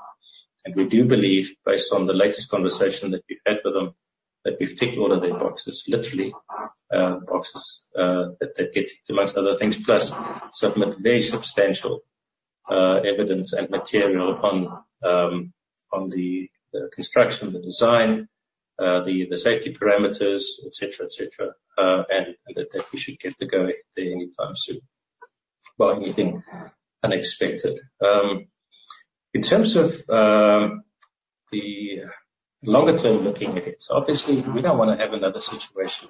We do believe, based on the latest conversation that we've had with them, that we've ticked all of their boxes, literally, boxes, that get amongst other things, plus submit very substantial evidence and material on the construction, the design, the safety parameters, etc., and that we should get the go-ahead there anytime soon, well, anything unexpected. In terms of the longer-term looking ahead, so obviously, we don't want to have another situation,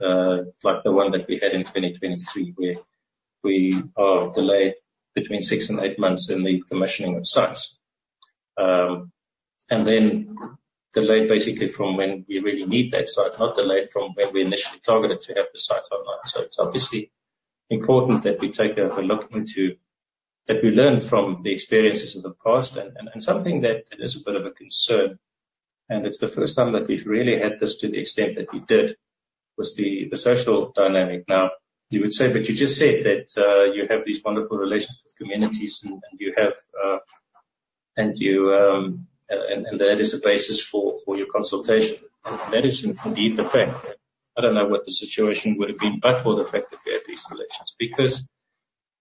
like the one that we had in 2023 where we were delayed between 6-8 months in the commissioning of sites, and then delayed basically from when we really need that site, not delayed from when we initially targeted to have the sites online. So it's obviously important that we take a look into that we learn from the experiences of the past. Something that is a bit of a concern, and it's the first time that we've really had this to the extent that we did, was the social dynamic. Now, you would say, "But you just said that, you have these wonderful relations with communities, and you have, and you, and that is a basis for your consultation." And that is indeed the fact. I don't know what the situation would have been but for the fact that we had these relations because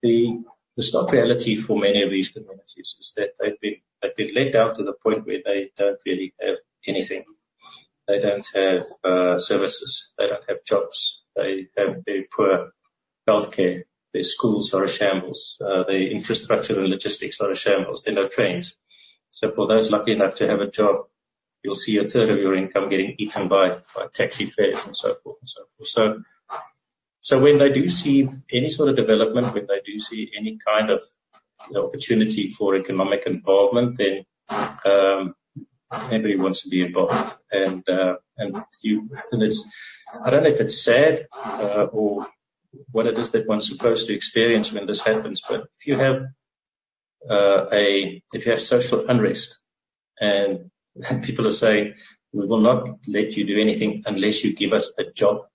the stark reality for many of these communities is that they've been let down to the point where they don't really have anything. They don't have services. They don't have jobs. They have very poor healthcare. Their schools are a shambles. Their infrastructure and logistics are a shambles. They're no trains. So for those lucky enough to have a job, you'll see a third of your income getting eaten by taxi fares and so forth and so forth. So when they do see any sort of development, when they do see any kind of, you know, opportunity for economic involvement, then, everybody wants to be involved. And it's, I don't know if it's sad, or what it is that one's supposed to experience when this happens, but if you have social unrest and people are saying, "We will not let you do anything unless you give us a job,"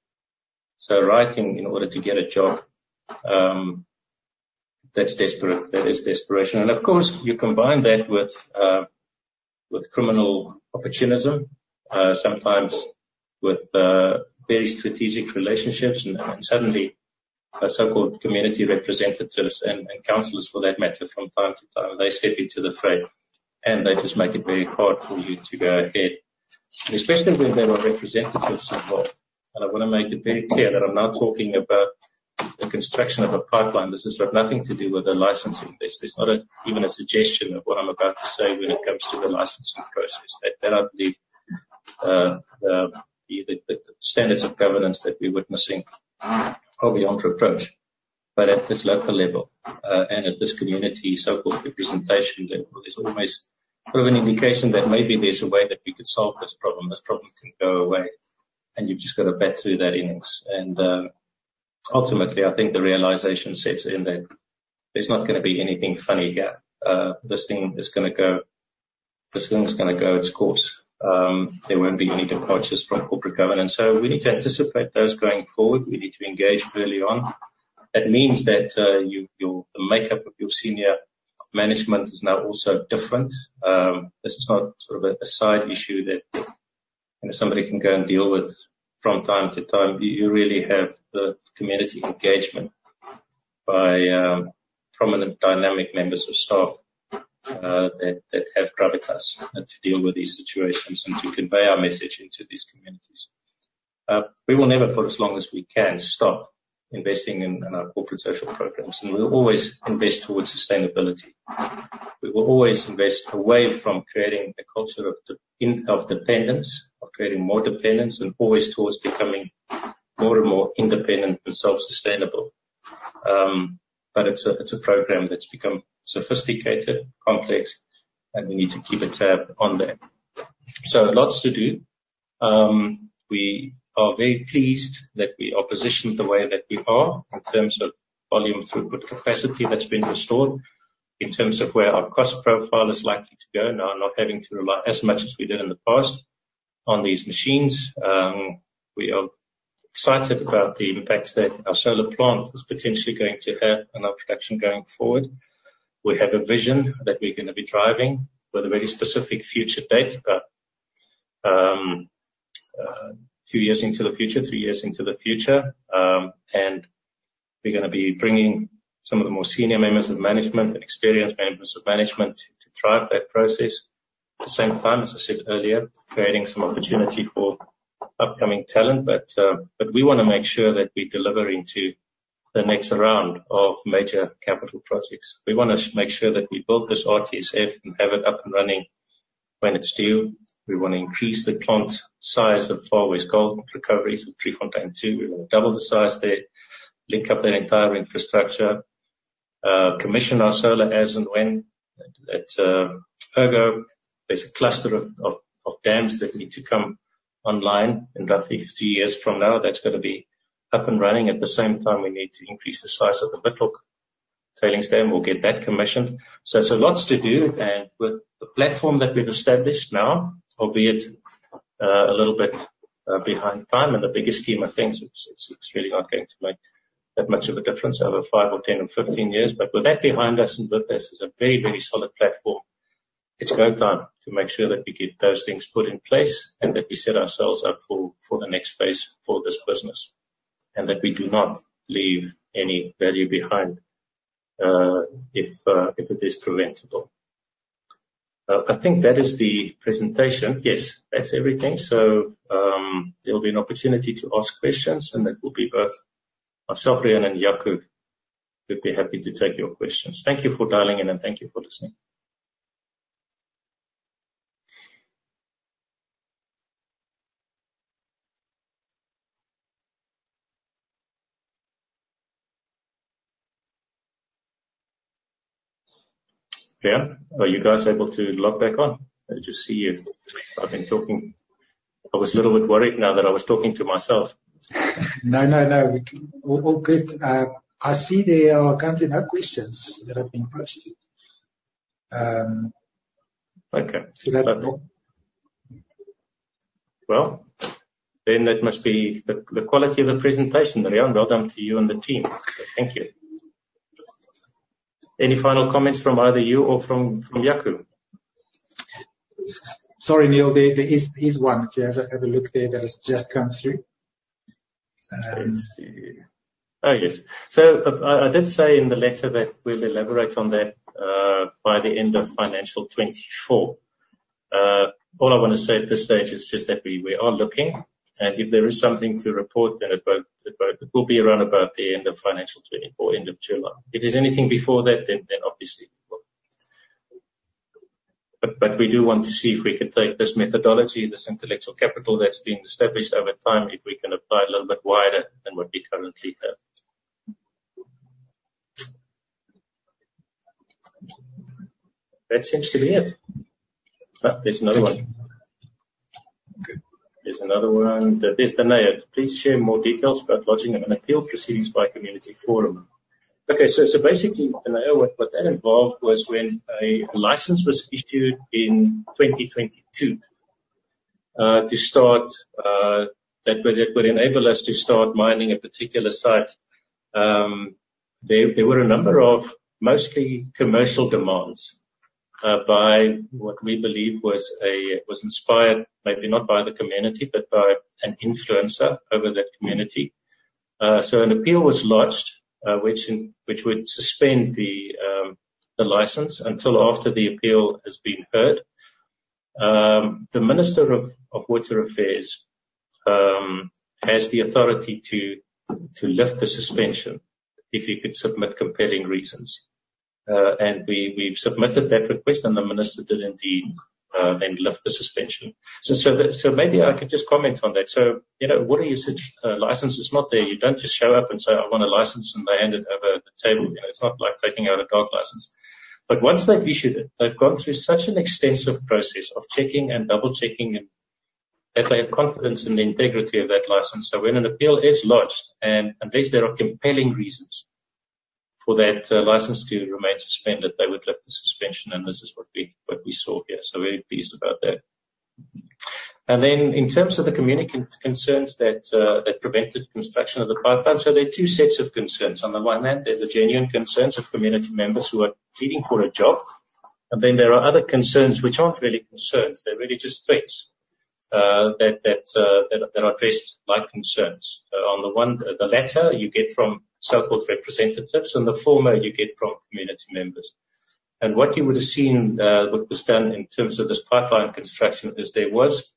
so writing in order to get a job, that's desperate. That is desperation. And of course, you combine that with criminal opportunism, sometimes with very strategic relationships. Suddenly, so-called community representatives and councillors for that matter, from time to time, they step into the fray, and they just make it very hard for you to go ahead, especially when there are representatives involved. I want to make it very clear that I'm not talking about the construction of a pipeline. This has got nothing to do with a licensing list. There's not even a suggestion of what I'm about to say when it comes to the licensing process. That I believe, the standards of governance that we're witnessing are beyond reproach. At this local level, and at this community so-called representation, there's always sort of an indication that maybe there's a way that we could solve this problem. This problem can go away, and you've just got to bat through that innings. Ultimately, I think the realization sets in that there's not going to be anything funny here. This thing's going to go its course. There won't be any departures from corporate governance. So we need to anticipate those going forward. We need to engage early on. That means that, you you'll the makeup of your senior management is now also different. This is not sort of a side issue that you know, somebody can go and deal with from time to time. You really have the community engagement by prominent dynamic members of staff that have gravitas to deal with these situations and to convey our message into these communities. We will never, for as long as we can, stop investing in our corporate social programs. And we'll always invest towards sustainability. We will always invest away from creating a culture of dependence, of creating more dependence, and always towards becoming more and more independent and self-sustainable. But it's a it's a program that's become sophisticated, complex, and we need to keep a tab on that. So lots to do. We are very pleased that we are positioned the way that we are in terms of volume throughput capacity that's been restored, in terms of where our cost profile is likely to go now, not having to rely as much as we did in the past on these machines. We are excited about the impacts that our solar plant is potentially going to have on our production going forward. We have a vision that we're going to be driving with a very specific future date about, two years into the future, three years into the future. We're going to be bringing some of the more senior members of management and experienced members of management to drive that process at the same time, as I said earlier, creating some opportunity for upcoming talent. But we want to make sure that we deliver into the next round of major capital projects. We want to make sure that we build this RTSF and have it up and running when it's due. We want to increase the plant size of Far West Gold Recoveries with Driefontein 2. We want to double the size there, link up that entire infrastructure, commission our solar as and when at Ergo. There's a cluster of dams that need to come online in roughly three years from now. That's going to be up and running. At the same time, we need to increase the size of the Brakpan tailings dam. We'll get that commissioned. So, lots to do. And with the platform that we've established now, albeit a little bit behind time in the bigger scheme of things, it's really not going to make that much of a difference over five or 10 or 15 years. But with that behind us and with this as a very, very solid platform, it's go time to make sure that we get those things put in place and that we set ourselves up for the next phase for this business and that we do not leave any value behind, if it is preventable. I think that is the presentation. Yes, that's everything. So, there'll be an opportunity to ask questions, and that will be both myself, Riaan, and Jaco who'd be happy to take your questions. Thank you for dialing in, and thank you for listening. Riaan, are you guys able to log back on? I just see you. I've been talking. I was a little bit worried now that I was talking to myself. No, no, no. We're all good. I see there are currently no questions that have been posted. Okay. Well, then that must be the the quality of the presentation, Riaan. Well done to you and the team. Thank you. Any final comments from either you or from from Jaco? Sorry, Niël. There there is there is one. If you ever ever look there, that has just come through. Let's see. Oh, yes. So I I I did say in the letter that we'll elaborate on that, by the end of financial 2024. All I want to say at this stage is just that we we are looking. If there is something to report, then it will be around about the end of financial 2024, end of July. If there's anything before that, then obviously, we will. But we do want to see if we could take this methodology, this intellectual capital that's been established over time, if we can apply it a little bit wider than what we currently have. That seems to be it. There's another one. Okay. There's another one. There's Danair. "Please share more details about lodging and appeal proceedings by community forum." Okay.So basically, Danair, what that involved was when a license was issued in 2022 to start, that would enable us to start mining a particular site. There were a number of mostly commercial demands, by what we believe was inspired maybe not by the community but by an influencer over that community. So an appeal was lodged, which would suspend the license until after the appeal has been heard. The Minister of Water Affairs has the authority to lift the suspension if you could submit compelling reasons. And we've submitted that request, and the minister did indeed then lift the suspension. So that maybe I could just comment on that. So, you know, water usage license is not there. You don't just show up and say, "I want a license," and they hand it over at the table. You know, it's not like taking out a dog license. But once they've issued it, they've gone through such an extensive process of checking and double-checking and that they have confidence in the integrity of that license. So when an appeal is lodged and unless there are compelling reasons for that license to remain suspended, they would lift the suspension. And this is what we saw here. So very pleased about that. And then in terms of the community concerns that prevented construction of the pipeline, so there are two sets of concerns. On the one hand, there are the genuine concerns of community members who are pleading for a job. And then there are other concerns which aren't really concerns. They're really just threats that are addressed like concerns. On the one hand, the latter you get from so-called representatives. And the former, you get from community members. And what you would have seen, what was done in terms of this pipeline construction is there was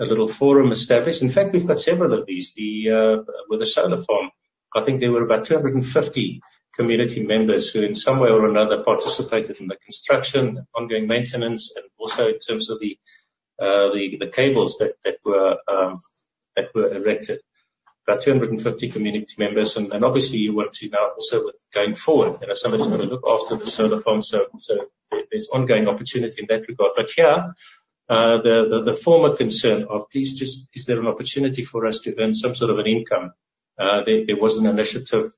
a little forum established. In fact, we've got several of these. With the solar farm, I think there were about 250 community members who in some way or another participated in the construction, ongoing maintenance, and also in terms of the cables that were erected, about 250 community members. And obviously, you want to now also with going forward. You know, somebody's got to look after the solar farm, so there's ongoing opportunity in that regard. But here, the former concern of, "Please just is there an opportunity for us to earn some sort of an income?" there was an initiative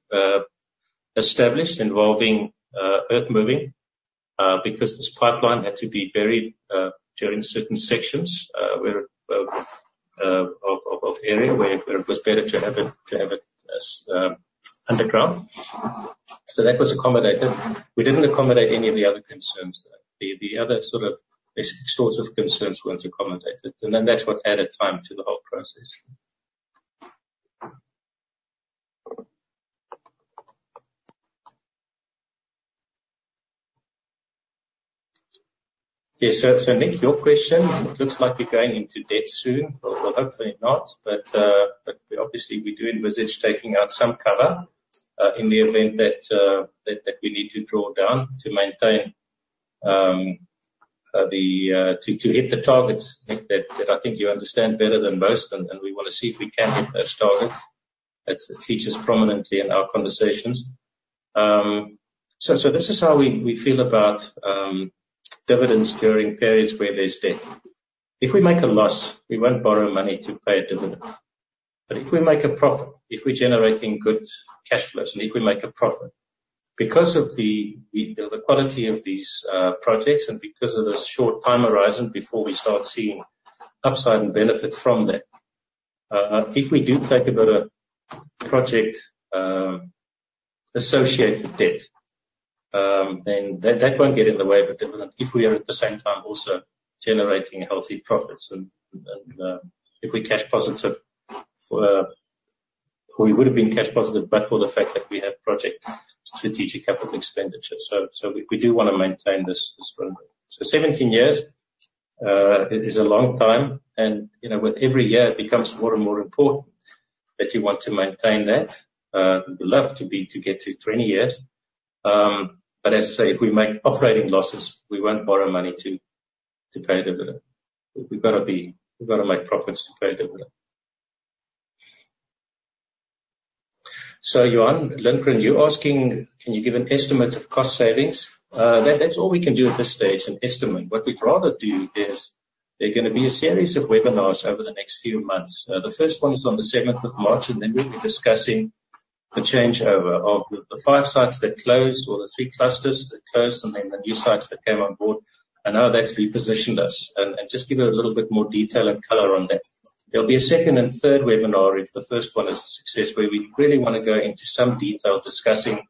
established involving earth moving, because this pipeline had to be buried during certain sections, where it of area where it was better to have it as underground. So that was accommodated. We didn't accommodate any of the other concerns, though. The other sort of extensive concerns weren't accommodated. And then that's what added time to the whole process. Yes. So Nick, your question, it looks like you're going into debt soon. Well, hopefully not. But obviously, we do envisage taking out some cover, in the event that we need to draw down to maintain to hit the targets, Nick, that I think you understand better than most. And we want to see if we can hit those targets. That's it features prominently in our conversations. So this is how we feel about dividends during periods where there's debt. If we make a loss, we won't borrow money to pay a dividend. But if we make a profit, if we're generating good cash flows and if we make a profit because of the quality of these projects and because of the short time horizon before we start seeing upside and benefit from that, if we do take about a project-associated debt, then that won't get in the way of a dividend if we are at the same time also generating healthy profits. And if we're cash positive, we would have been cash positive but for the fact that we have project strategic capital expenditure. So we do want to maintain this runway. So 17 years is a long time. And, you know, with every year, it becomes more and more important that you want to maintain that. We'd love to get to 20 years. But as I say, if we make operating losses, we won't borrow money to pay a dividend. We've got to make profits to pay a dividend. So Yuan Lindgren, you're asking, "Can you give an estimate of cost savings?" That's all we can do at this stage, an estimate. What we'd rather do is there are going to be a series of webinars over the next few months. The first one is on the 7th of March, and then we'll be discussing the changeover of the five sites that closed or the three clusters that closed and then the new sites that came on board and how that's repositioned us and just give you a little bit more detail and color on that. There'll be a second and third webinar if the first one is a success where we really want to go into some detail discussing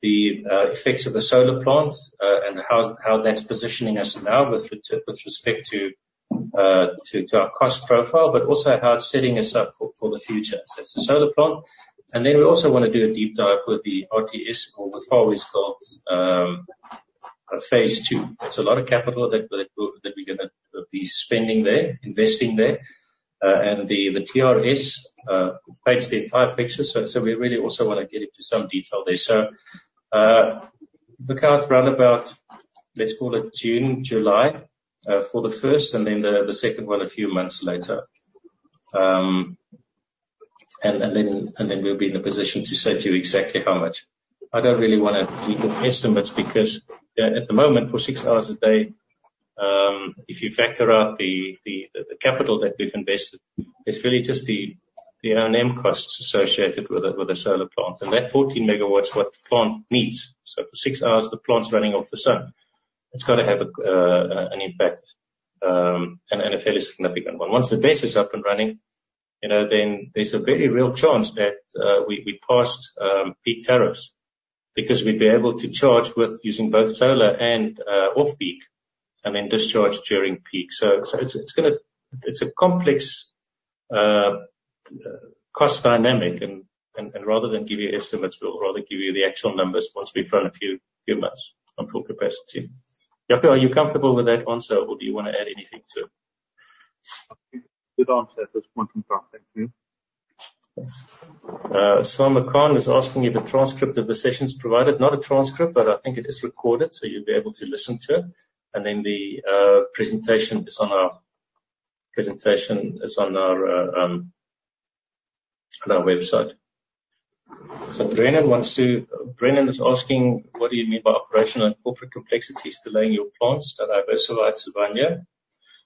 the effects of the solar plant, and how that's positioning us now with respect to our cost profile but also how it's setting us up for the future. So it's a solar plant. And then we also want to do a deep dive with the RTSF or with Far West Gold, phase two. It's a lot of capital that we're going to be spending there, investing there. And the TRS paints the entire picture. So we really also want to get into some detail there. So, look out roundabout, let's call it June, July, for the first and then the second one a few months later. Then we'll be in the position to say to you exactly how much. I don't really want to give estimates because, you know, at the moment, for six hours a day, if you factor out the capital that we've invested, it's really just the R&M costs associated with a solar plant. And that 14 MW is what the plant needs. So for six hours, the plant's running off the sun. It's got to have an impact, and a fairly significant one. Once the BESS is up and running, you know, then there's a very real chance that we pass peak tariffs because we'd be able to charge using both solar and off-peak and then discharge during peak. So it's going to be a complex cost dynamic. Rather than give you estimates, we'll rather give you the actual numbers once we've run a few months on full capacity. Jaco, are you comfortable with that answer, or do you want to add anything to it? Good answer at this point in time. Thank you. Thanks. Salma Khan is asking if a transcript of the session's provided. Not a transcript, but I think it is recorded, so you'll be able to listen to it. And then the presentation is on our website. So Brandon is asking, "What do you mean by operational and corporate complexities delaying your plants to diversify to Sibanye?"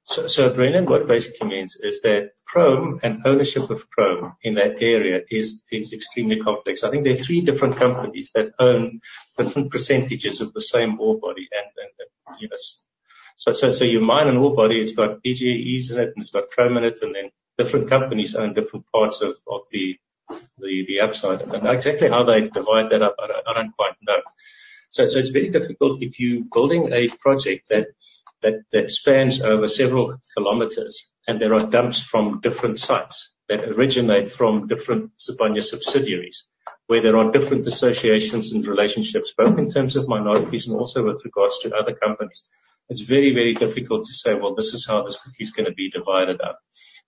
So Brandon, what it basically means is that chrome and ownership of chrome in that area is extremely complex. I think there are three different companies that own different percentages of the same ore body. And, you know, so your mine and ore body, it's got EGEs in it, and it's got chrome in it. And then different companies own different parts of the upside. And exactly how they divide that up, I don't quite know. So it's very difficult if you're building a project that spans over several kilometers, and there are dumps from different sites that originate from different Sibanye subsidiaries where there are different associations and relationships both in terms of minorities and also with regards to other companies, it's very, very difficult to say, "Well, this is how this cookie's going to be divided up."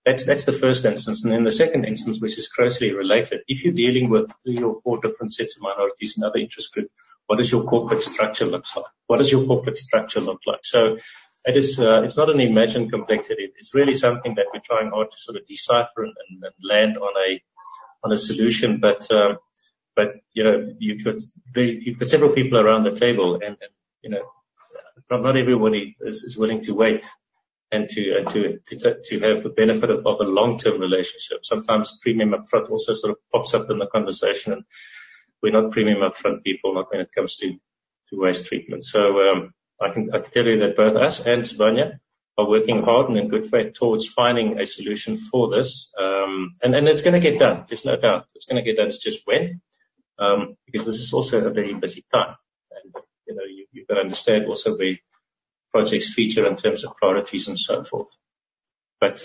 That's the first instance. Then the second instance, which is closely related, if you're dealing with three or four different sets of minorities and other interest groups, what does your corporate structure look like? What does your corporate structure look like? It is, it's not an imagined complexity. It's really something that we're trying hard to sort of decipher and land on a solution. But, you know, you've got several people around the table. And, you know, not everybody is willing to wait and to take the benefit of a long-term relationship. Sometimes premium upfront also sort of pops up in the conversation. And we're not premium upfront people, not when it comes to waste treatment. So, I can tell you that both us and Sibanye are working hard and in good faith towards finding a solution for this, and it's going to get done. There's no doubt. It's going to get done. It's just when, because this is also a very busy time. And, you know, you've got to understand also where projects feature in terms of priorities and so forth. But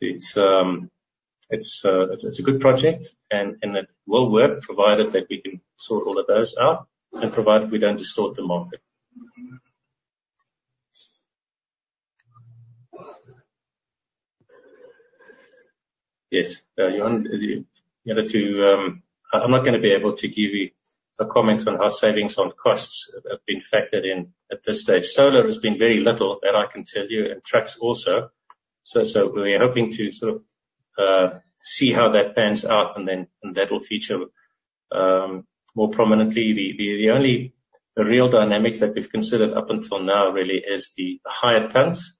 it's a good project. And it will work provided that we can sort all of those out and provided we don't distort the market. Yes. Yuan, the other two, I'm not going to be able to give you comments on how savings on costs have been factored in at this stage. Solar has been very little that I can tell you, and trucks also. So we're hoping to sort of see how that pans out. And then that will feature more prominently. The only real dynamics that we've considered up until now really is the higher tons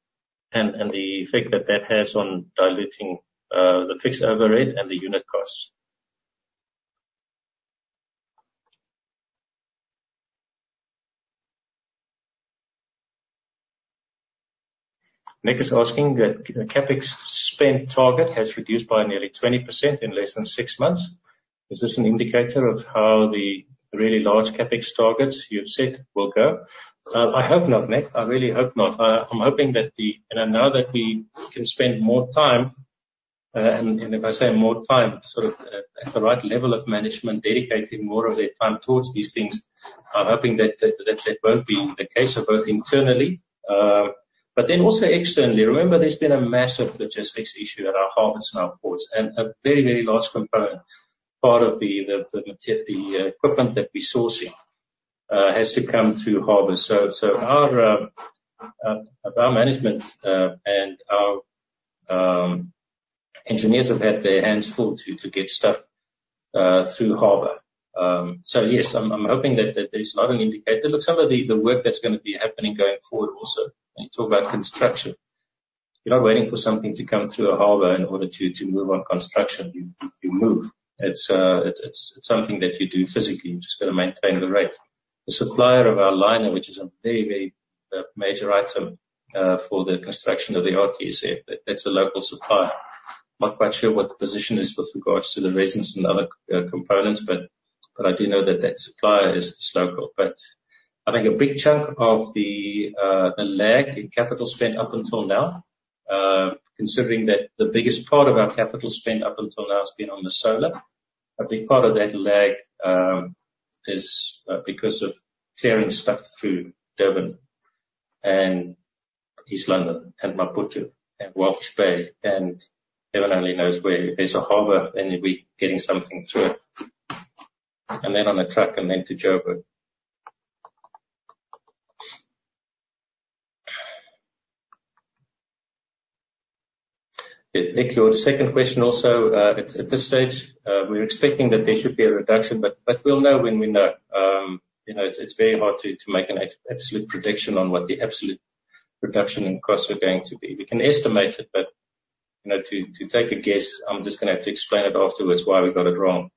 and the effect that that has on diluting the fixed overhead and the unit costs. Nick is asking that CapEx spend target has reduced by nearly 20% in less than six months. Is this an indicator of how the really large CapEx targets you've set will go? I hope not, Nick. I really hope not. I'm hoping that, and I know that we can spend more time, and if I say more time, sort of at the right level of management dedicating more of their time towards these things, I'm hoping that that won't be the case both internally, but then also externally. Remember, there's been a massive logistics issue at our harbors and our ports. A very, very large component part of the material, the equipment that we source in, has to come through harbors. So our management and our engineers have had their hands full to get stuff through harbor. So yes, I'm hoping that there's not an indicator. Look, some of the work that's going to be happening going forward also, when you talk about construction, you're not waiting for something to come through a harbor in order to move on construction. You move. It's something that you do physically. You're just going to maintain the rate. The supplier of our liner, which is a very, very major item for the construction of the RTSF that's a local supplier. Not quite sure what the position is with regards to the resins and other components, but I do know that supplier is local. But I think a big chunk of the lag in capital spent up until now, considering that the biggest part of our capital spent up until now has been on the solar, a big part of that lag is because of clearing stuff through Durban and East London and Maputo and Walvis Bay. And heaven only knows where if there's a harbour any week getting something through it and then on a truck and then to Jo'burg. Yeah. Nick, your second question also, it's at this stage, we're expecting that there should be a reduction, but we'll know when we know. You know, it's very hard to make an absolute prediction on what the absolute reduction in costs are going to be. We can estimate it, but, you know, to take a guess, I'm just going to have to explain it afterwards why we got it wrong.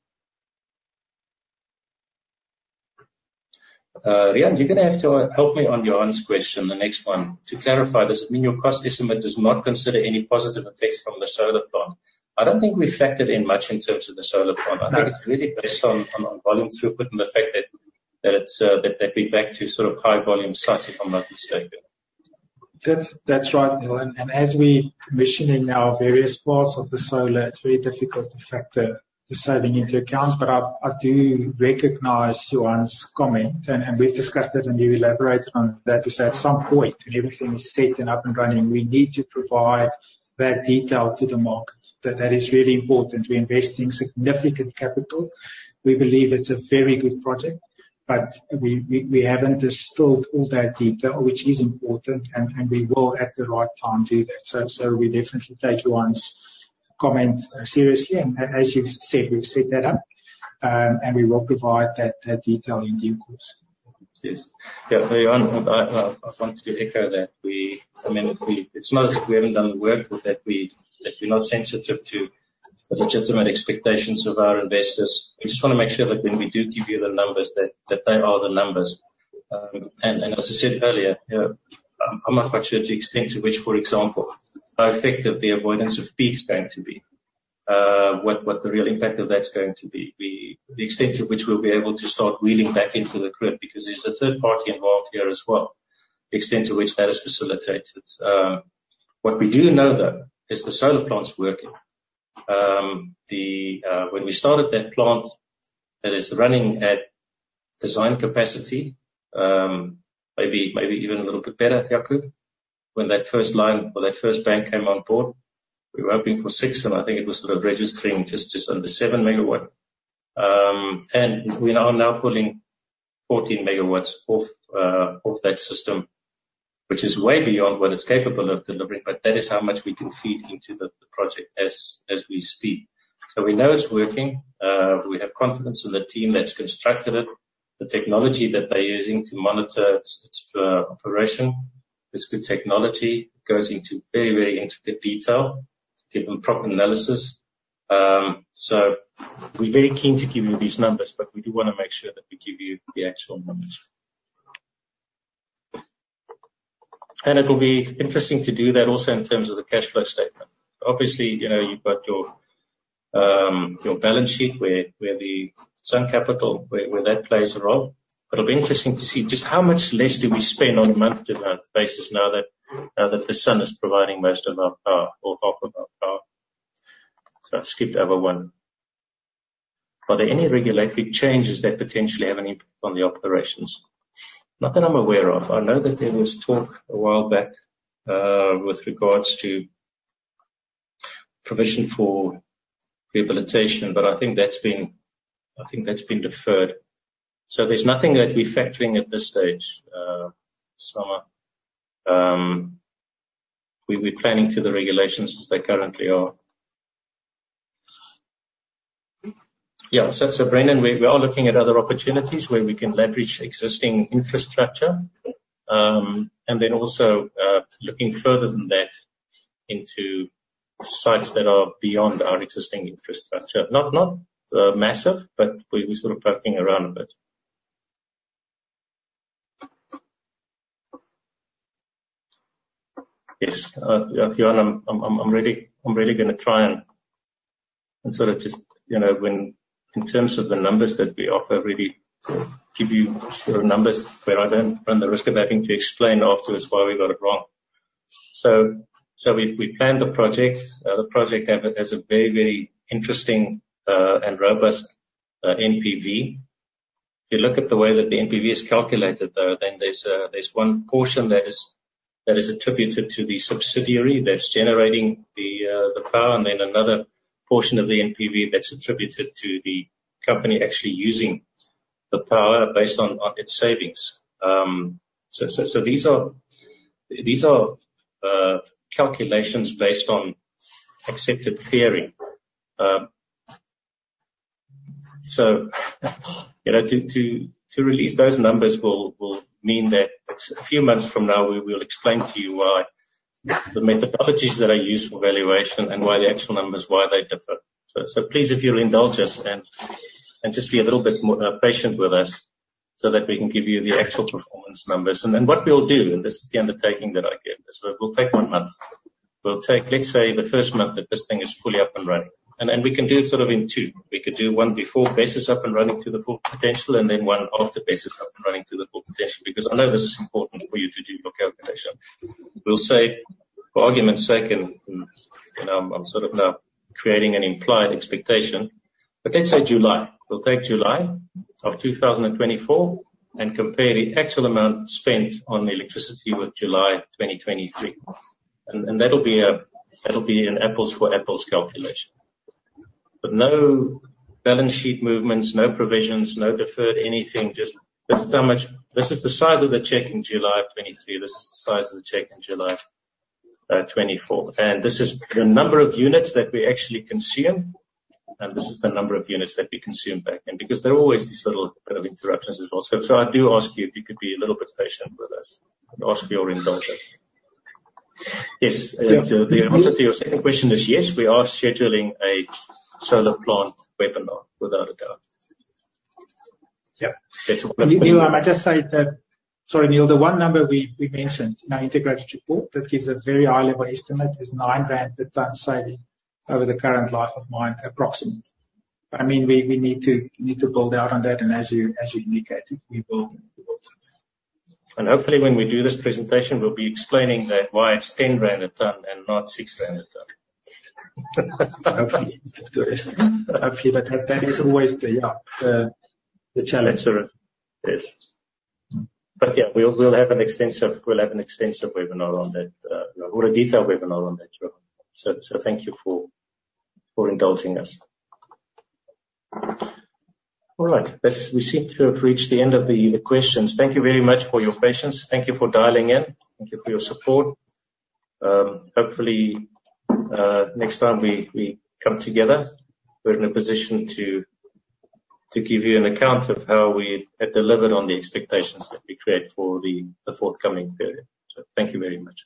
Riaan, you're going to have to help me on Yuan's question, the next one. To clarify, does it mean your cost estimate does not consider any positive effects from the solar plant? I don't think we factored in much in terms of the solar plant. I think it's really based on volume throughput and the fact that it's that we back to sort of high-volume sites, if I'm not mistaken. That's right, Yuan. And as we're commissioning now various parts of the solar, it's very difficult to factor the saving into account. But I do recognise Yuan's comment, and we've discussed it and you elaborated on that, is that at some point, when everything is set up and running, we need to provide that detail to the market. That is really important. We're investing significant capital. We believe it's a very good project, but we haven't distilled all that detail, which is important. And we will at the right time do that. So we definitely take Yuan's comment seriously. And as you've said, we've set that up, and we will provide that detail in due course. Yes. Yeah. So Yuan, I want to echo that we, I mean, we, it's not as if we haven't done the work with that we that we're not sensitive to the legitimate expectations of our investors. We just want to make sure that when we do give you the numbers, that they are the numbers. As I said earlier, you know, I'm not quite sure the extent to which, for example, how effective the avoidance of peaks going to be, what the real impact of that's going to be, the extent to which we'll be able to start wheeling back into the grid because there's a third party involved here as well, the extent to which that is facilitated. What we do know, though, is the solar plant's working. When we started that plant, that is running at design capacity, maybe even a little bit better, Jaco, when that first line or that first bank came on board, we were hoping for 6 MW, and I think it was sort of registering just under 7 MW. We are now pulling 14 MW off that system, which is way beyond what it's capable of delivering. But that is how much we can feed into the project as we speed. So we know it's working. We have confidence in the team that's constructed it, the technology that they're using to monitor its operation. It's good technology. It goes into very, very intricate detail to give them proper analysis. So we're very keen to give you these numbers, but we do want to make sure that we give you the actual numbers. And it will be interesting to do that also in terms of the cash flow statement. Obviously, you know, you've got your balance sheet where the sunk capital plays a role. It'll be interesting to see just how much less do we spend on a month-to-month basis now that now that the sun is providing most of our power or half of our power. Sorry, I skipped over one. Are there any regulatory changes that potentially have an impact on the operations? Not that I'm aware of. I know that there was talk a while back, with regards to provision for rehabilitation, but I think that's been I think that's been deferred. So there's nothing that we're factoring at this stage, Salma. We're planning to the regulations as they currently are. Yeah. Brandon, we're all looking at other opportunities where we can leverage existing infrastructure, and then also, looking further than that into sites that are beyond our existing infrastructure. Not massive, but we're sort of poking around a bit. Yes. Yuan, I'm really going to try and sort of just, you know, when in terms of the numbers that we offer, really give you sort of numbers where I don't run the risk of having to explain afterwards why we got it wrong. So we've planned the project. The project has a very interesting and robust NPV. If you look at the way that the NPV is calculated, though, then there's one portion that is attributed to the subsidiary that's generating the power. And then another portion of the NPV that's attributed to the company actually using the power based on its savings. So these are calculations based on accepted theory. You know, to release those numbers will mean that it's a few months from now. We will explain to you why the methodologies that are used for valuation and why the actual numbers, why they differ. Please, if you'll indulge us and just be a little bit more patient with us so that we can give you the actual performance numbers. What we'll do, and this is the undertaking that I give, is we'll take one month. We'll take, let's say, the first month that this thing is fully up and running. We can do it sort of in two. We could do one before basis up and running to the full potential and then one after basis up and running to the full potential because I know this is important for you to do your calculation. We'll say, for argument's sake, and I'm sort of now creating an implied expectation, but let's say July. We'll take July of 2024 and compare the actual amount spent on electricity with July 2023. And that'll be an apples-for-apples calculation. But no balance sheet movements, no provisions, no deferred anything. Just, this is how much. This is the size of the check in July of 2023. This is the size of the check in July 2024. And this is the number of units that we actually consume. And this is the number of units that we consume back in because there are always these little bit of interruptions as well. So I do ask you if you could be a little bit patient with us and ask for your indulgence. Yes. Yeah. So the answer to your second question is yes. We are scheduling a solar plant webinar without a doubt. Yeah. That's one of the things. And Yuan, I just say that sorry, Niël, the one number we mentioned in our integrated report that gives a very high-level estimate is 9,000 per tonne saving over the current life of mine, approximately. But I mean, we need to build out on that. And as you indicated, we will do that. And hopefully, when we do this presentation, we'll be explaining why it's 10,000 rand a tonne and not 6,000 rand a tonne. Hopefully. Hopefully. But that is always the, yeah, the challenge. That's right. Yes. But yeah, we'll have an extensive webinar on that, or a detailed webinar on that, Yuan. So thank you for indulging us. All right. That we seem to have reached the end of the questions. Thank you very much for your patience. Thank you for dialing in. Thank you for your support. Hopefully, next time we come together, we're in a position to give you an account of how we have delivered on the expectations that we create for the forthcoming period. So thank you very much.